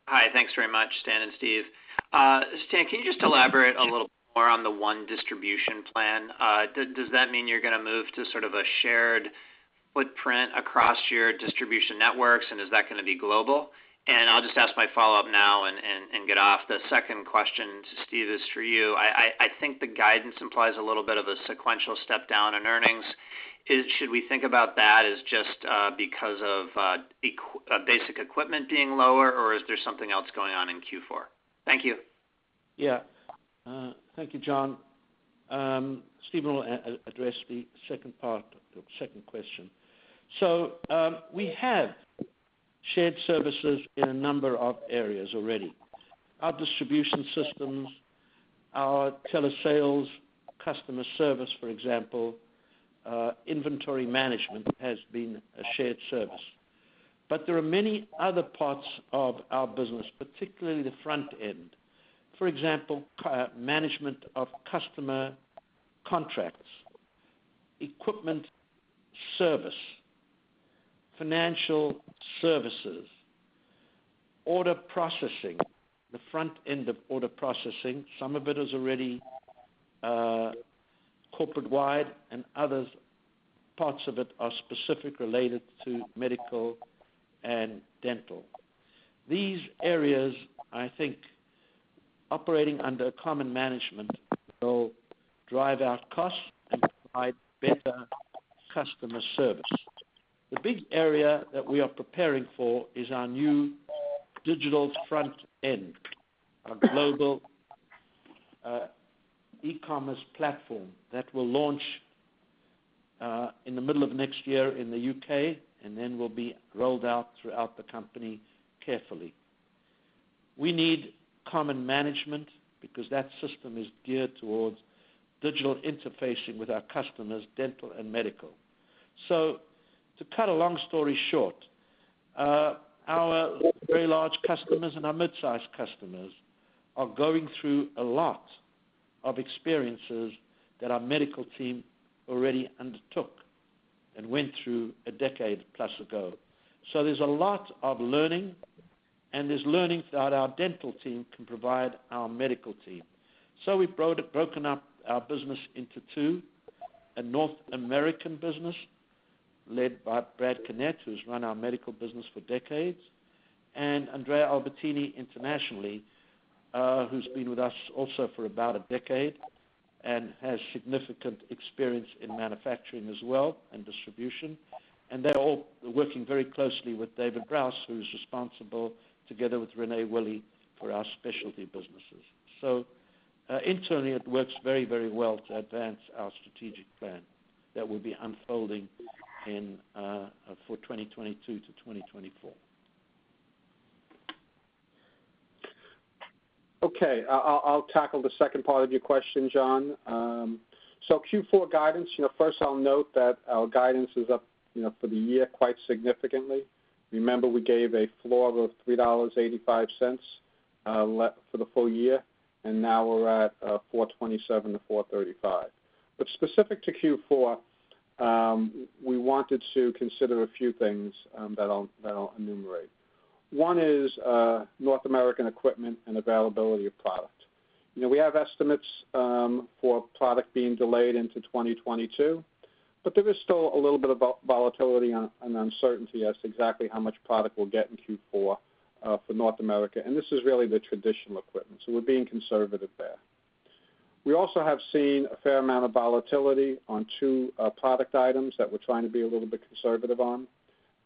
Hi. Thanks very much, Stan and Steve. Stan, can you just elaborate a little more on the One Distribution plan? Does that mean you're gonna move to sort of a shared footprint across your distribution networks, and is that gonna be global? I'll just ask my follow-up now and get off. The second question to Steve is for you. I think the guidance implies a little bit of a sequential step down in earnings. Should we think about that as just because of basic equipment being lower, or is there something else going on in Q4? Thank you. Yeah. Thank you, John. Steven will address the second part of the second question. We have shared services in a number of areas already. Our distribution systems, our telesales customer service, for example, inventory management has been a shared service. There are many other parts of our business, particularly the front end. For example, management of customer contracts, equipment service, financial services, order processing, the front end of order processing. Some of it is already corporate-wide, and other parts of it are specific related to medical and dental. These areas, I think, operating under common management will drive out costs and provide better customer service. The big area that we are preparing for is our new digital front end, our global e-commerce platform that will launch in the middle of next year in the U.K., and then will be rolled out throughout the company carefully. We need common management because that system is geared towards digital interfacing with our customers, dental and medical. To cut a long story short, our very large customers and our midsize customers are going through a lot of experiences that our medical team already undertook and went through a decade plus ago. There's a lot of learning, and there's learning that our dental team can provide our medical team. We've broadly broken up our business into two, a North American business led by Brad Connett, who's run our medical business for decades, and Andrea Albertini internationally, who's been with us also for about a decade and has significant experience in manufacturing as well and distribution. They're all working very closely with David Brous, who is responsible together with René Willi for our specialty businesses. Internally, it works very, very well to advance our strategic plan that will be unfolding in 2022-2024. Okay. I'll tackle the second part of your question, John. Q4 guidance, you know, first I'll note that our guidance is up, you know, for the year quite significantly. Remember, we gave a floor of $3.85 for the full year, and now we're at $4.27-$4.35. Specific to Q4, we wanted to consider a few things that I'll enumerate. One is North American equipment and availability of product. You know, we have estimates for product being delayed into 2022, but there is still a little bit of volatility and uncertainty as to exactly how much product we'll get in Q4 for North America, and this is really the traditional equipment, so we're being conservative there. We also have seen a fair amount of volatility on two product items that we're trying to be a little bit conservative on.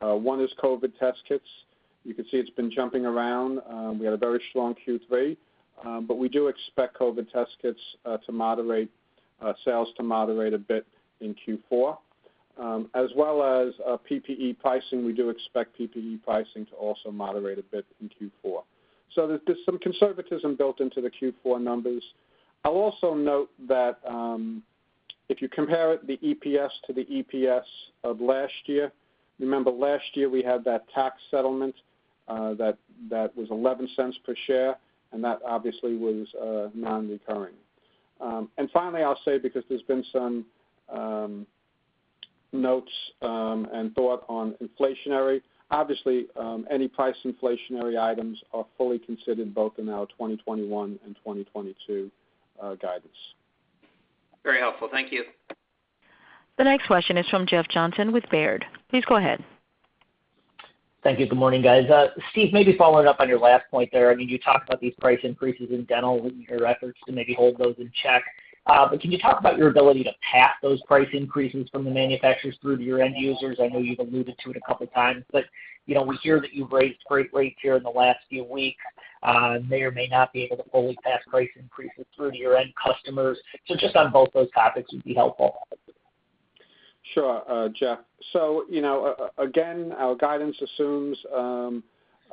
One is COVID test kits. You can see it's been jumping around. We had a very strong Q3, but we do expect COVID test kits sales to moderate a bit in Q4, as well as PPE pricing. We do expect PPE pricing to also moderate a bit in Q4. There's some conservatism built into the Q4 numbers. I'll also note that if you compare the EPS to the EPS of last year, remember last year we had that tax settlement that was $0.11 per share, and that obviously was non-recurring. Finally, I'll say because there's been some notes and thought on inflationary, obviously, any price inflationary items are fully considered both in our 2021 and 2022 guidance. Very helpful. Thank you. The next question is from Jeff Johnson with Baird. Please go ahead. Thank you. Good morning, guys. Steve, maybe following up on your last point there. I mean, you talked about these price increases in dental and your efforts to maybe hold those in check. But can you talk about your ability to pass those price increases from the manufacturers through to your end users? I know you've alluded to it a couple times, but, you know, we hear that you've raised freight rates here in the last few weeks, may or may not be able to fully pass price increases through to your end customers. Just on both those topics would be helpful. Sure, Jeff. You know, again, our guidance assumes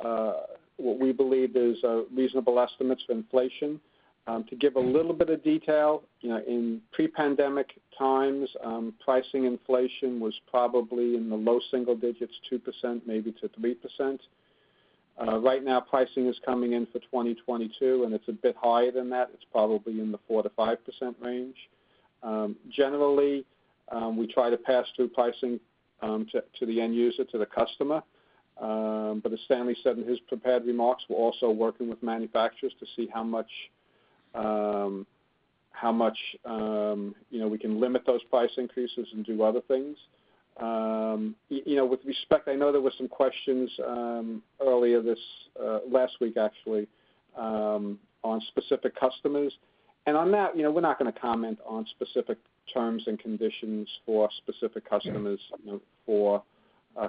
what we believe is reasonable estimates for inflation. To give a little bit of detail, you know, in pre-pandemic times, pricing inflation was probably in the low single digits, 2% maybe to 3%. Right now pricing is coming in for 2022, and it's a bit higher than that. It's probably in the 4%-5% range. Generally, we try to pass through pricing to the end user, to the customer. But as Stanley said in his prepared remarks, we're also working with manufacturers to see how much you know, we can limit those price increases and do other things. You know, with respect, I know there were some questions earlier this last week actually on specific customers. On that, you know, we're not gonna comment on specific terms and conditions for specific customers, you know, for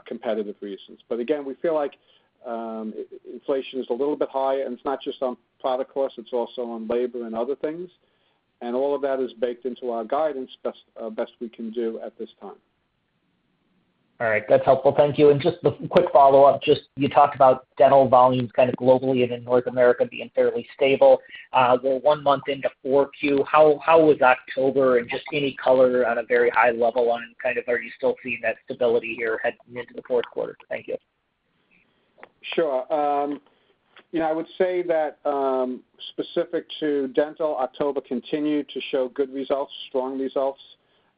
competitive reasons. Again, we feel like inflation is a little bit higher, and it's not just on product costs, it's also on labor and other things. All of that is baked into our guidance, best we can do at this time. All right. That's helpful. Thank you. Just the quick follow-up, just you talked about dental volumes kind of globally and in North America being fairly stable. We're one month into 4Q. How was October and just any color on a very high level on kind of are you still seeing that stability here heading into the fourth quarter? Thank you. Sure. You know, I would say that specific to dental, October continued to show good results, strong results.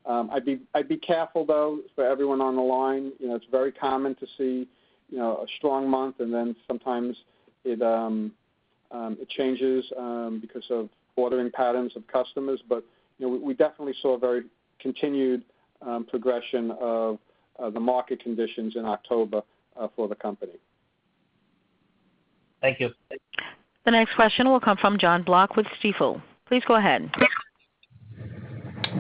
I'd be careful though, for everyone on the line, you know, it's very common to see, you know, a strong month and then sometimes it changes because of ordering patterns of customers. You know, we definitely saw a very continued progression of the market conditions in October for the company. Thank you. The next question will come from Jon Block with Stifel. Please go ahead.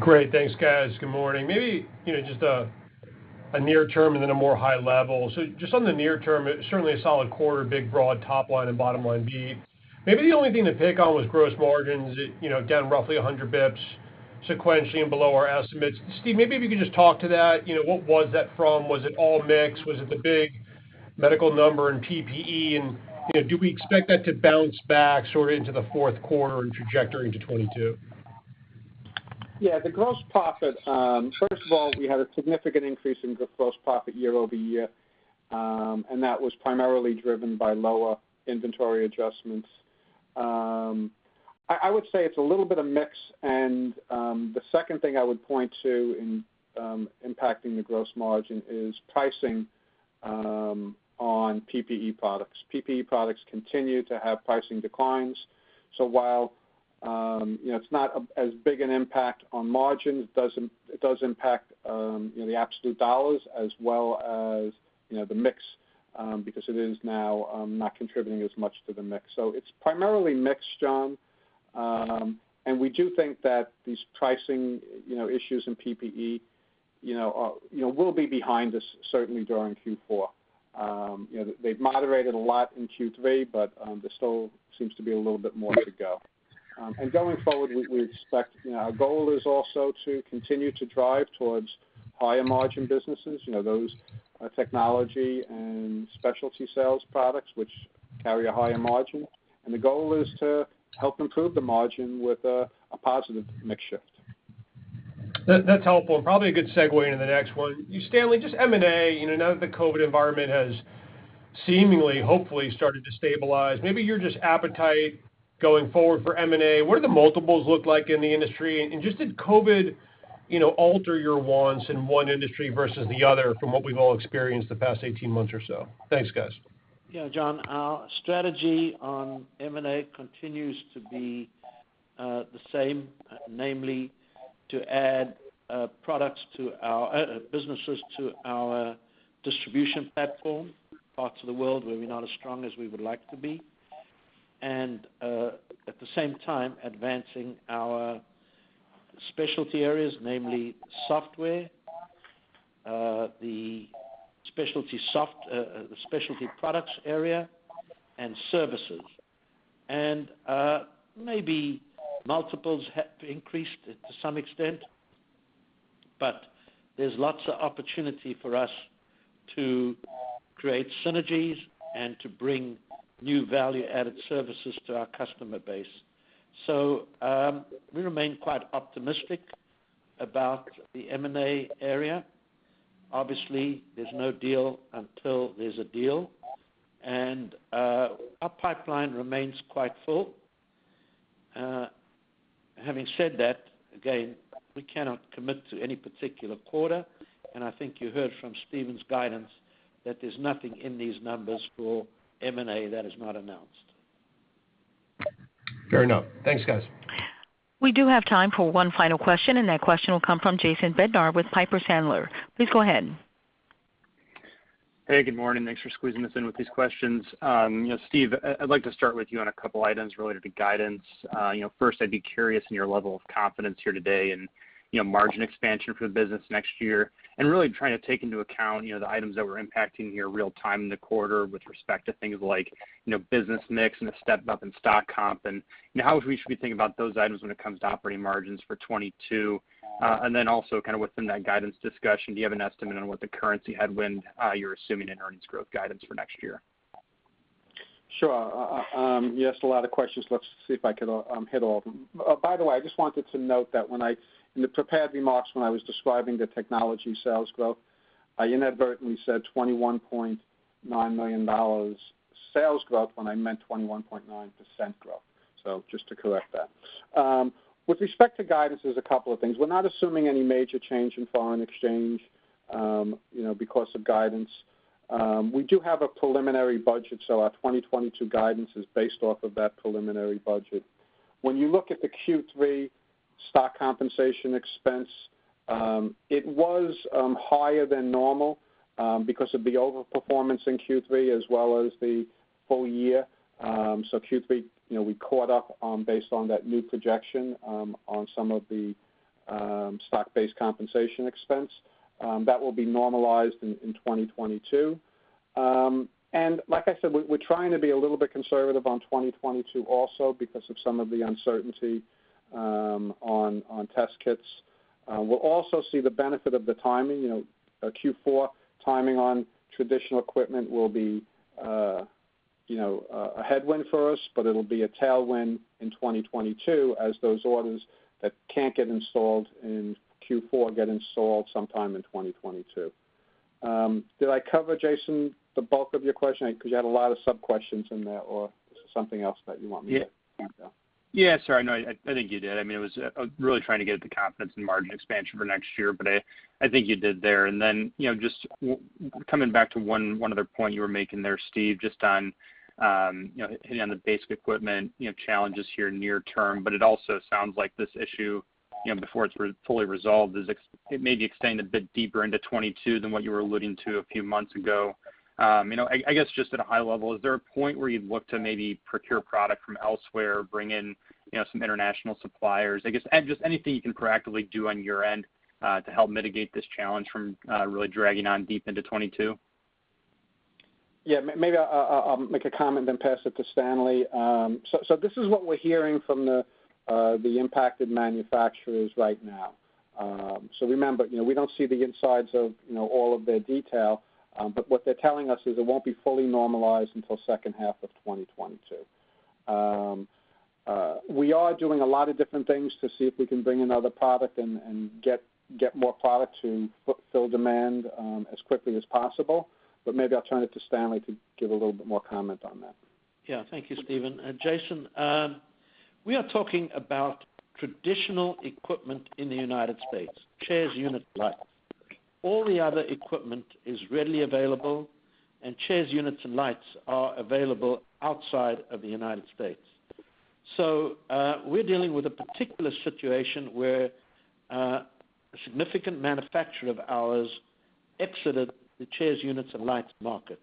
Great. Thanks, guys. Good morning. Maybe, you know, just a near term and then a more high level. Just on the near term, certainly a solid quarter, big broad top line and bottom line beat. Maybe the only thing to pick on was gross margins, you know, down roughly 100 basis points, sequentially and below our estimates. Steve, maybe if you could just talk to that. You know, what was that from? Was it all mix? Was it the big medical number in PPE? And, you know, do we expect that to bounce back sort of into the fourth quarter and trajectory into 2022? Yeah. The gross profit, first of all, we had a significant increase in gross profit year over year, and that was primarily driven by lower inventory adjustments. I would say it's a little bit of mix. The second thing I would point to in impacting the gross margin is pricing on PPE products. PPE products continue to have pricing declines. So while you know it's not as big an impact on margin, it does impact you know the absolute dollars as well as you know the mix because it is now not contributing as much to the mix. So it's primarily mix, Jon. We do think that these pricing you know issues in PPE you know will be behind us certainly during Q4. You know, they've moderated a lot in Q3, but there still seems to be a little bit more to go. Going forward, we expect, you know, our goal is also to continue to drive towards higher margin businesses, you know, those technology and specialty sales products which carry a higher margin. The goal is to help improve the margin with a positive mix shift. That, that's helpful, and probably a good segue into the next one. Stanley, just M&A, you know, now that the COVID environment has seemingly, hopefully started to stabilize, maybe just your appetite going forward for M&A, what do the multiples look like in the industry? And just did COVID, you know, alter your wants in one industry versus the other from what we've all experienced the past 18 months or so? Thanks, guys. Yeah, Jon, our strategy on M&A continues to be the same, namely to add products to our businesses to our distribution platform, parts of the world where we're not as strong as we would like to be. At the same time, advancing our specialty areas, namely software, the specialty products area and services. Maybe multiples have increased to some extent, but there's lots of opportunity for us to create synergies and to bring new value added services to our customer base. We remain quite optimistic about the M&A area. Obviously, there's no deal until there's a deal. Our pipeline remains quite full. Having said that, again, we cannot commit to any particular quarter, and I think you heard from Steven's guidance that there's nothing in these numbers for M&A that is not announced. Fair enough. Thanks, guys. We do have time for one final question, and that question will come from Jason Bednar with Piper Sandler. Please go ahead. Hey, good morning. Thanks for squeezing us in with these questions. You know, Steven, I'd like to start with you on a couple items related to guidance. You know, first, I'd be curious in your level of confidence here today and, you know, margin expansion for the business next year, and really trying to take into account, you know, the items that were impacting here real time in the quarter with respect to things like, you know, business mix and a step up in stock comp. You know, how we should be thinking about those items when it comes to operating margins for 2022. Then also kind of within that guidance discussion, do you have an estimate on what the currency headwind you're assuming in earnings growth guidance for next year? Sure. You asked a lot of questions, let's see if I could hit all of them. By the way, I just wanted to note that in the prepared remarks, when I was describing the technology sales growth, I inadvertently said $21.9 million sales growth when I meant 21.9% growth. Just to correct that. With respect to guidance, there's a couple of things. We're not assuming any major change in foreign exchange, you know, because of guidance. We do have a preliminary budget, so our 2022 guidance is based off of that preliminary budget. When you look at the Q3 stock compensation expense, it was higher than normal, because of the overperformance in Q3 as well as the full year. Q3, you know, we caught up based on that new projection on some of the stock-based compensation expense. That will be normalized in 2022. Like I said, we're trying to be a little bit conservative on 2022 also because of some of the uncertainty on test kits. We'll also see the benefit of the timing. You know, our Q4 timing on traditional equipment will be, you know, a headwind for us, but it'll be a tailwind in 2022 as those orders that can't get installed in Q4 get installed sometime in 2022. Did I cover, Jason, the bulk of your question? Because you had a lot of sub-questions in there, or is there something else that you want me to- Yeah. Yeah. Yeah, sorry. No, I think you did. I mean, it was really trying to get at the confidence in margin expansion for next year, but I think you did there. Then, you know, just coming back to one other point you were making there, Steve, just on, you know, hitting on the basic equipment, you know, challenges here near term. But it also sounds like this issue, you know, before it's fully resolved, it may be extended a bit deeper into 2022 than what you were alluding to a few months ago. You know, I guess, just at a high level, is there a point where you'd look to maybe procure product from elsewhere, bring in, you know, some international suppliers? I guess, just anything you can proactively do on your end, to help mitigate this challenge from really dragging on deep into 2022. Maybe I'll make a comment then pass it to Stanley. This is what we're hearing from the impacted manufacturers right now. Remember, you know, we don't see the insides of, you know, all of their detail, but what they're telling us is it won't be fully normalized until second half of 2022. We are doing a lot of different things to see if we can bring another product and get more product to fill demand as quickly as possible. Maybe I'll turn it to Stanley to give a little bit more comment on that. Yeah. Thank you, Steven. Jason, we are talking about traditional equipment in the United States, chairs, units, lights. All the other equipment is readily available, and chairs, units, and lights are available outside of the United States. We're dealing with a particular situation where a significant manufacturer of ours exited the chairs, units, and lights market.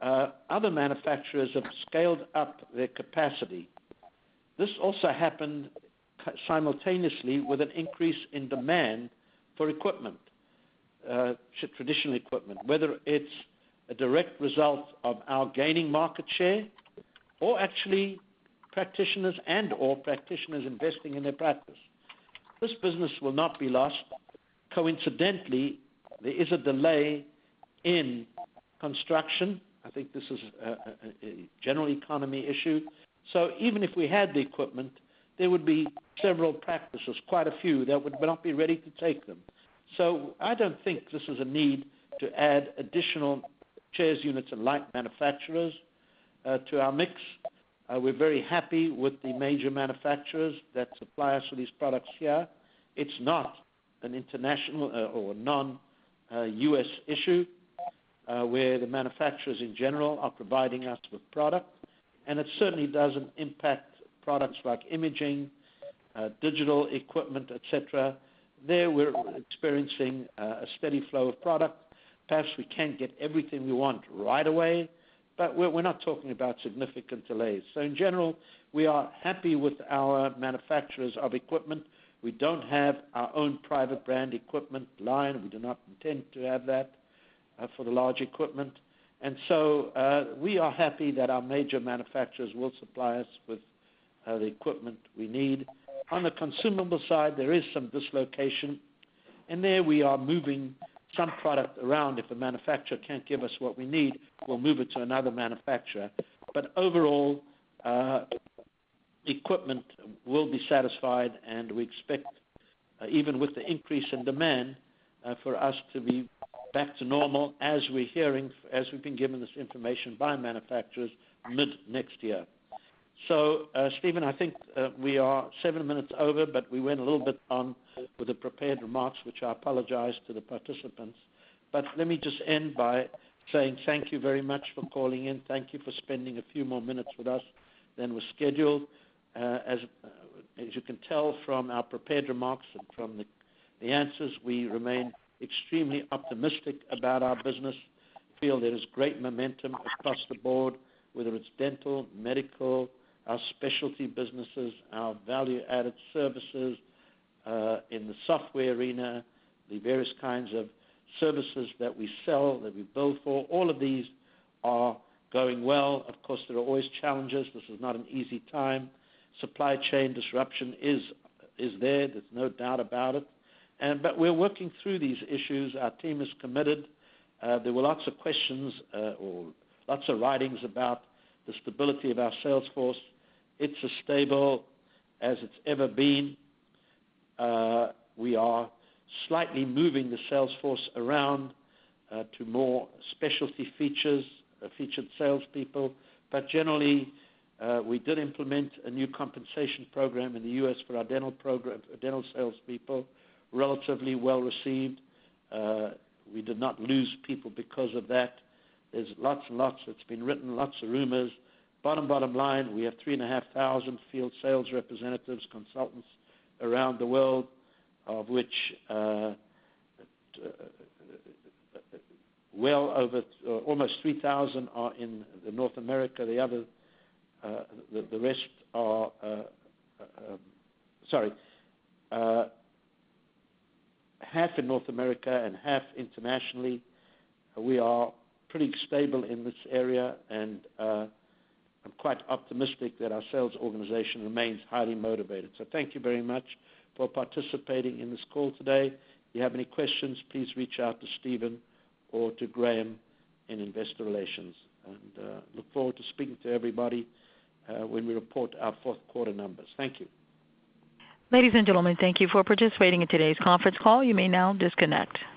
Other manufacturers have scaled up their capacity. This also happened simultaneously with an increase in demand for equipment, traditional equipment, whether it's a direct result of our gaining market share or actually practitioners investing in their practice. This business will not be lost. Coincidentally, there is a delay in construction. I think this is a general economy issue. Even if we had the equipment, there would be several practices, quite a few, that would not be ready to take them. I don't think there's a need to add additional chairs, units, and light manufacturers to our mix. We're very happy with the major manufacturers that supply us with these products here. It's not an international or non-US issue where the manufacturers in general are providing us with product. It certainly doesn't impact products like imaging, digital equipment, et cetera. There, we're experiencing a steady flow of product. Perhaps we can't get everything we want right away, but we're not talking about significant delays. In general, we are happy with our manufacturers of equipment. We don't have our own private brand equipment line. We do not intend to have that for the large equipment. We are happy that our major manufacturers will supply us with the equipment we need. On the consumable side, there is some dislocation, and there we are moving some product around. If a manufacturer can't give us what we need, we'll move it to another manufacturer. Overall, equipment will be satisfied, and we expect, even with the increase in demand, for us to be back to normal as we're hearing, as we've been given this information by manufacturers mid next year. Steven, I think we are seven minutes over, but we went a little bit on with the prepared remarks, which I apologize to the participants. Let me just end by saying thank you very much for calling in. Thank you for spending a few more minutes with us than was scheduled. As you can tell from our prepared remarks and from the answers, we remain extremely optimistic about our business. feel there is great momentum across the board, whether it's dental, medical, our specialty businesses, our value-added services, in the software arena, the various kinds of services that we sell, that we build for. All of these are going well. Of course, there are always challenges. This is not an easy time. Supply chain disruption is there's no doubt about it. But we're working through these issues. Our team is committed. There were lots of questions, or lots of writings about the stability of our sales force. It's as stable as it's ever been. We are slightly moving the sales force around, to more specialty-focused salespeople. But generally, we did implement a new compensation program in the U.S. for our dental salespeople, relatively well-received. We did not lose people because of that. There's lots and lots that's been written, lots of rumors. Bottom line, we have 3,500 field sales representatives, consultants around the world, of which well over almost 3,000 are in North America. The other, the rest are half in North America and half internationally. We are pretty stable in this area, and I'm quite optimistic that our sales organization remains highly motivated. Thank you very much for participating in this call today. If you have any questions, please reach out to Steven or to Graham in Investor Relations. Look forward to speaking to everybody when we report our fourth quarter numbers. Thank you. Ladies and gentlemen, thank you for participating in today's conference call. You may now disconnect.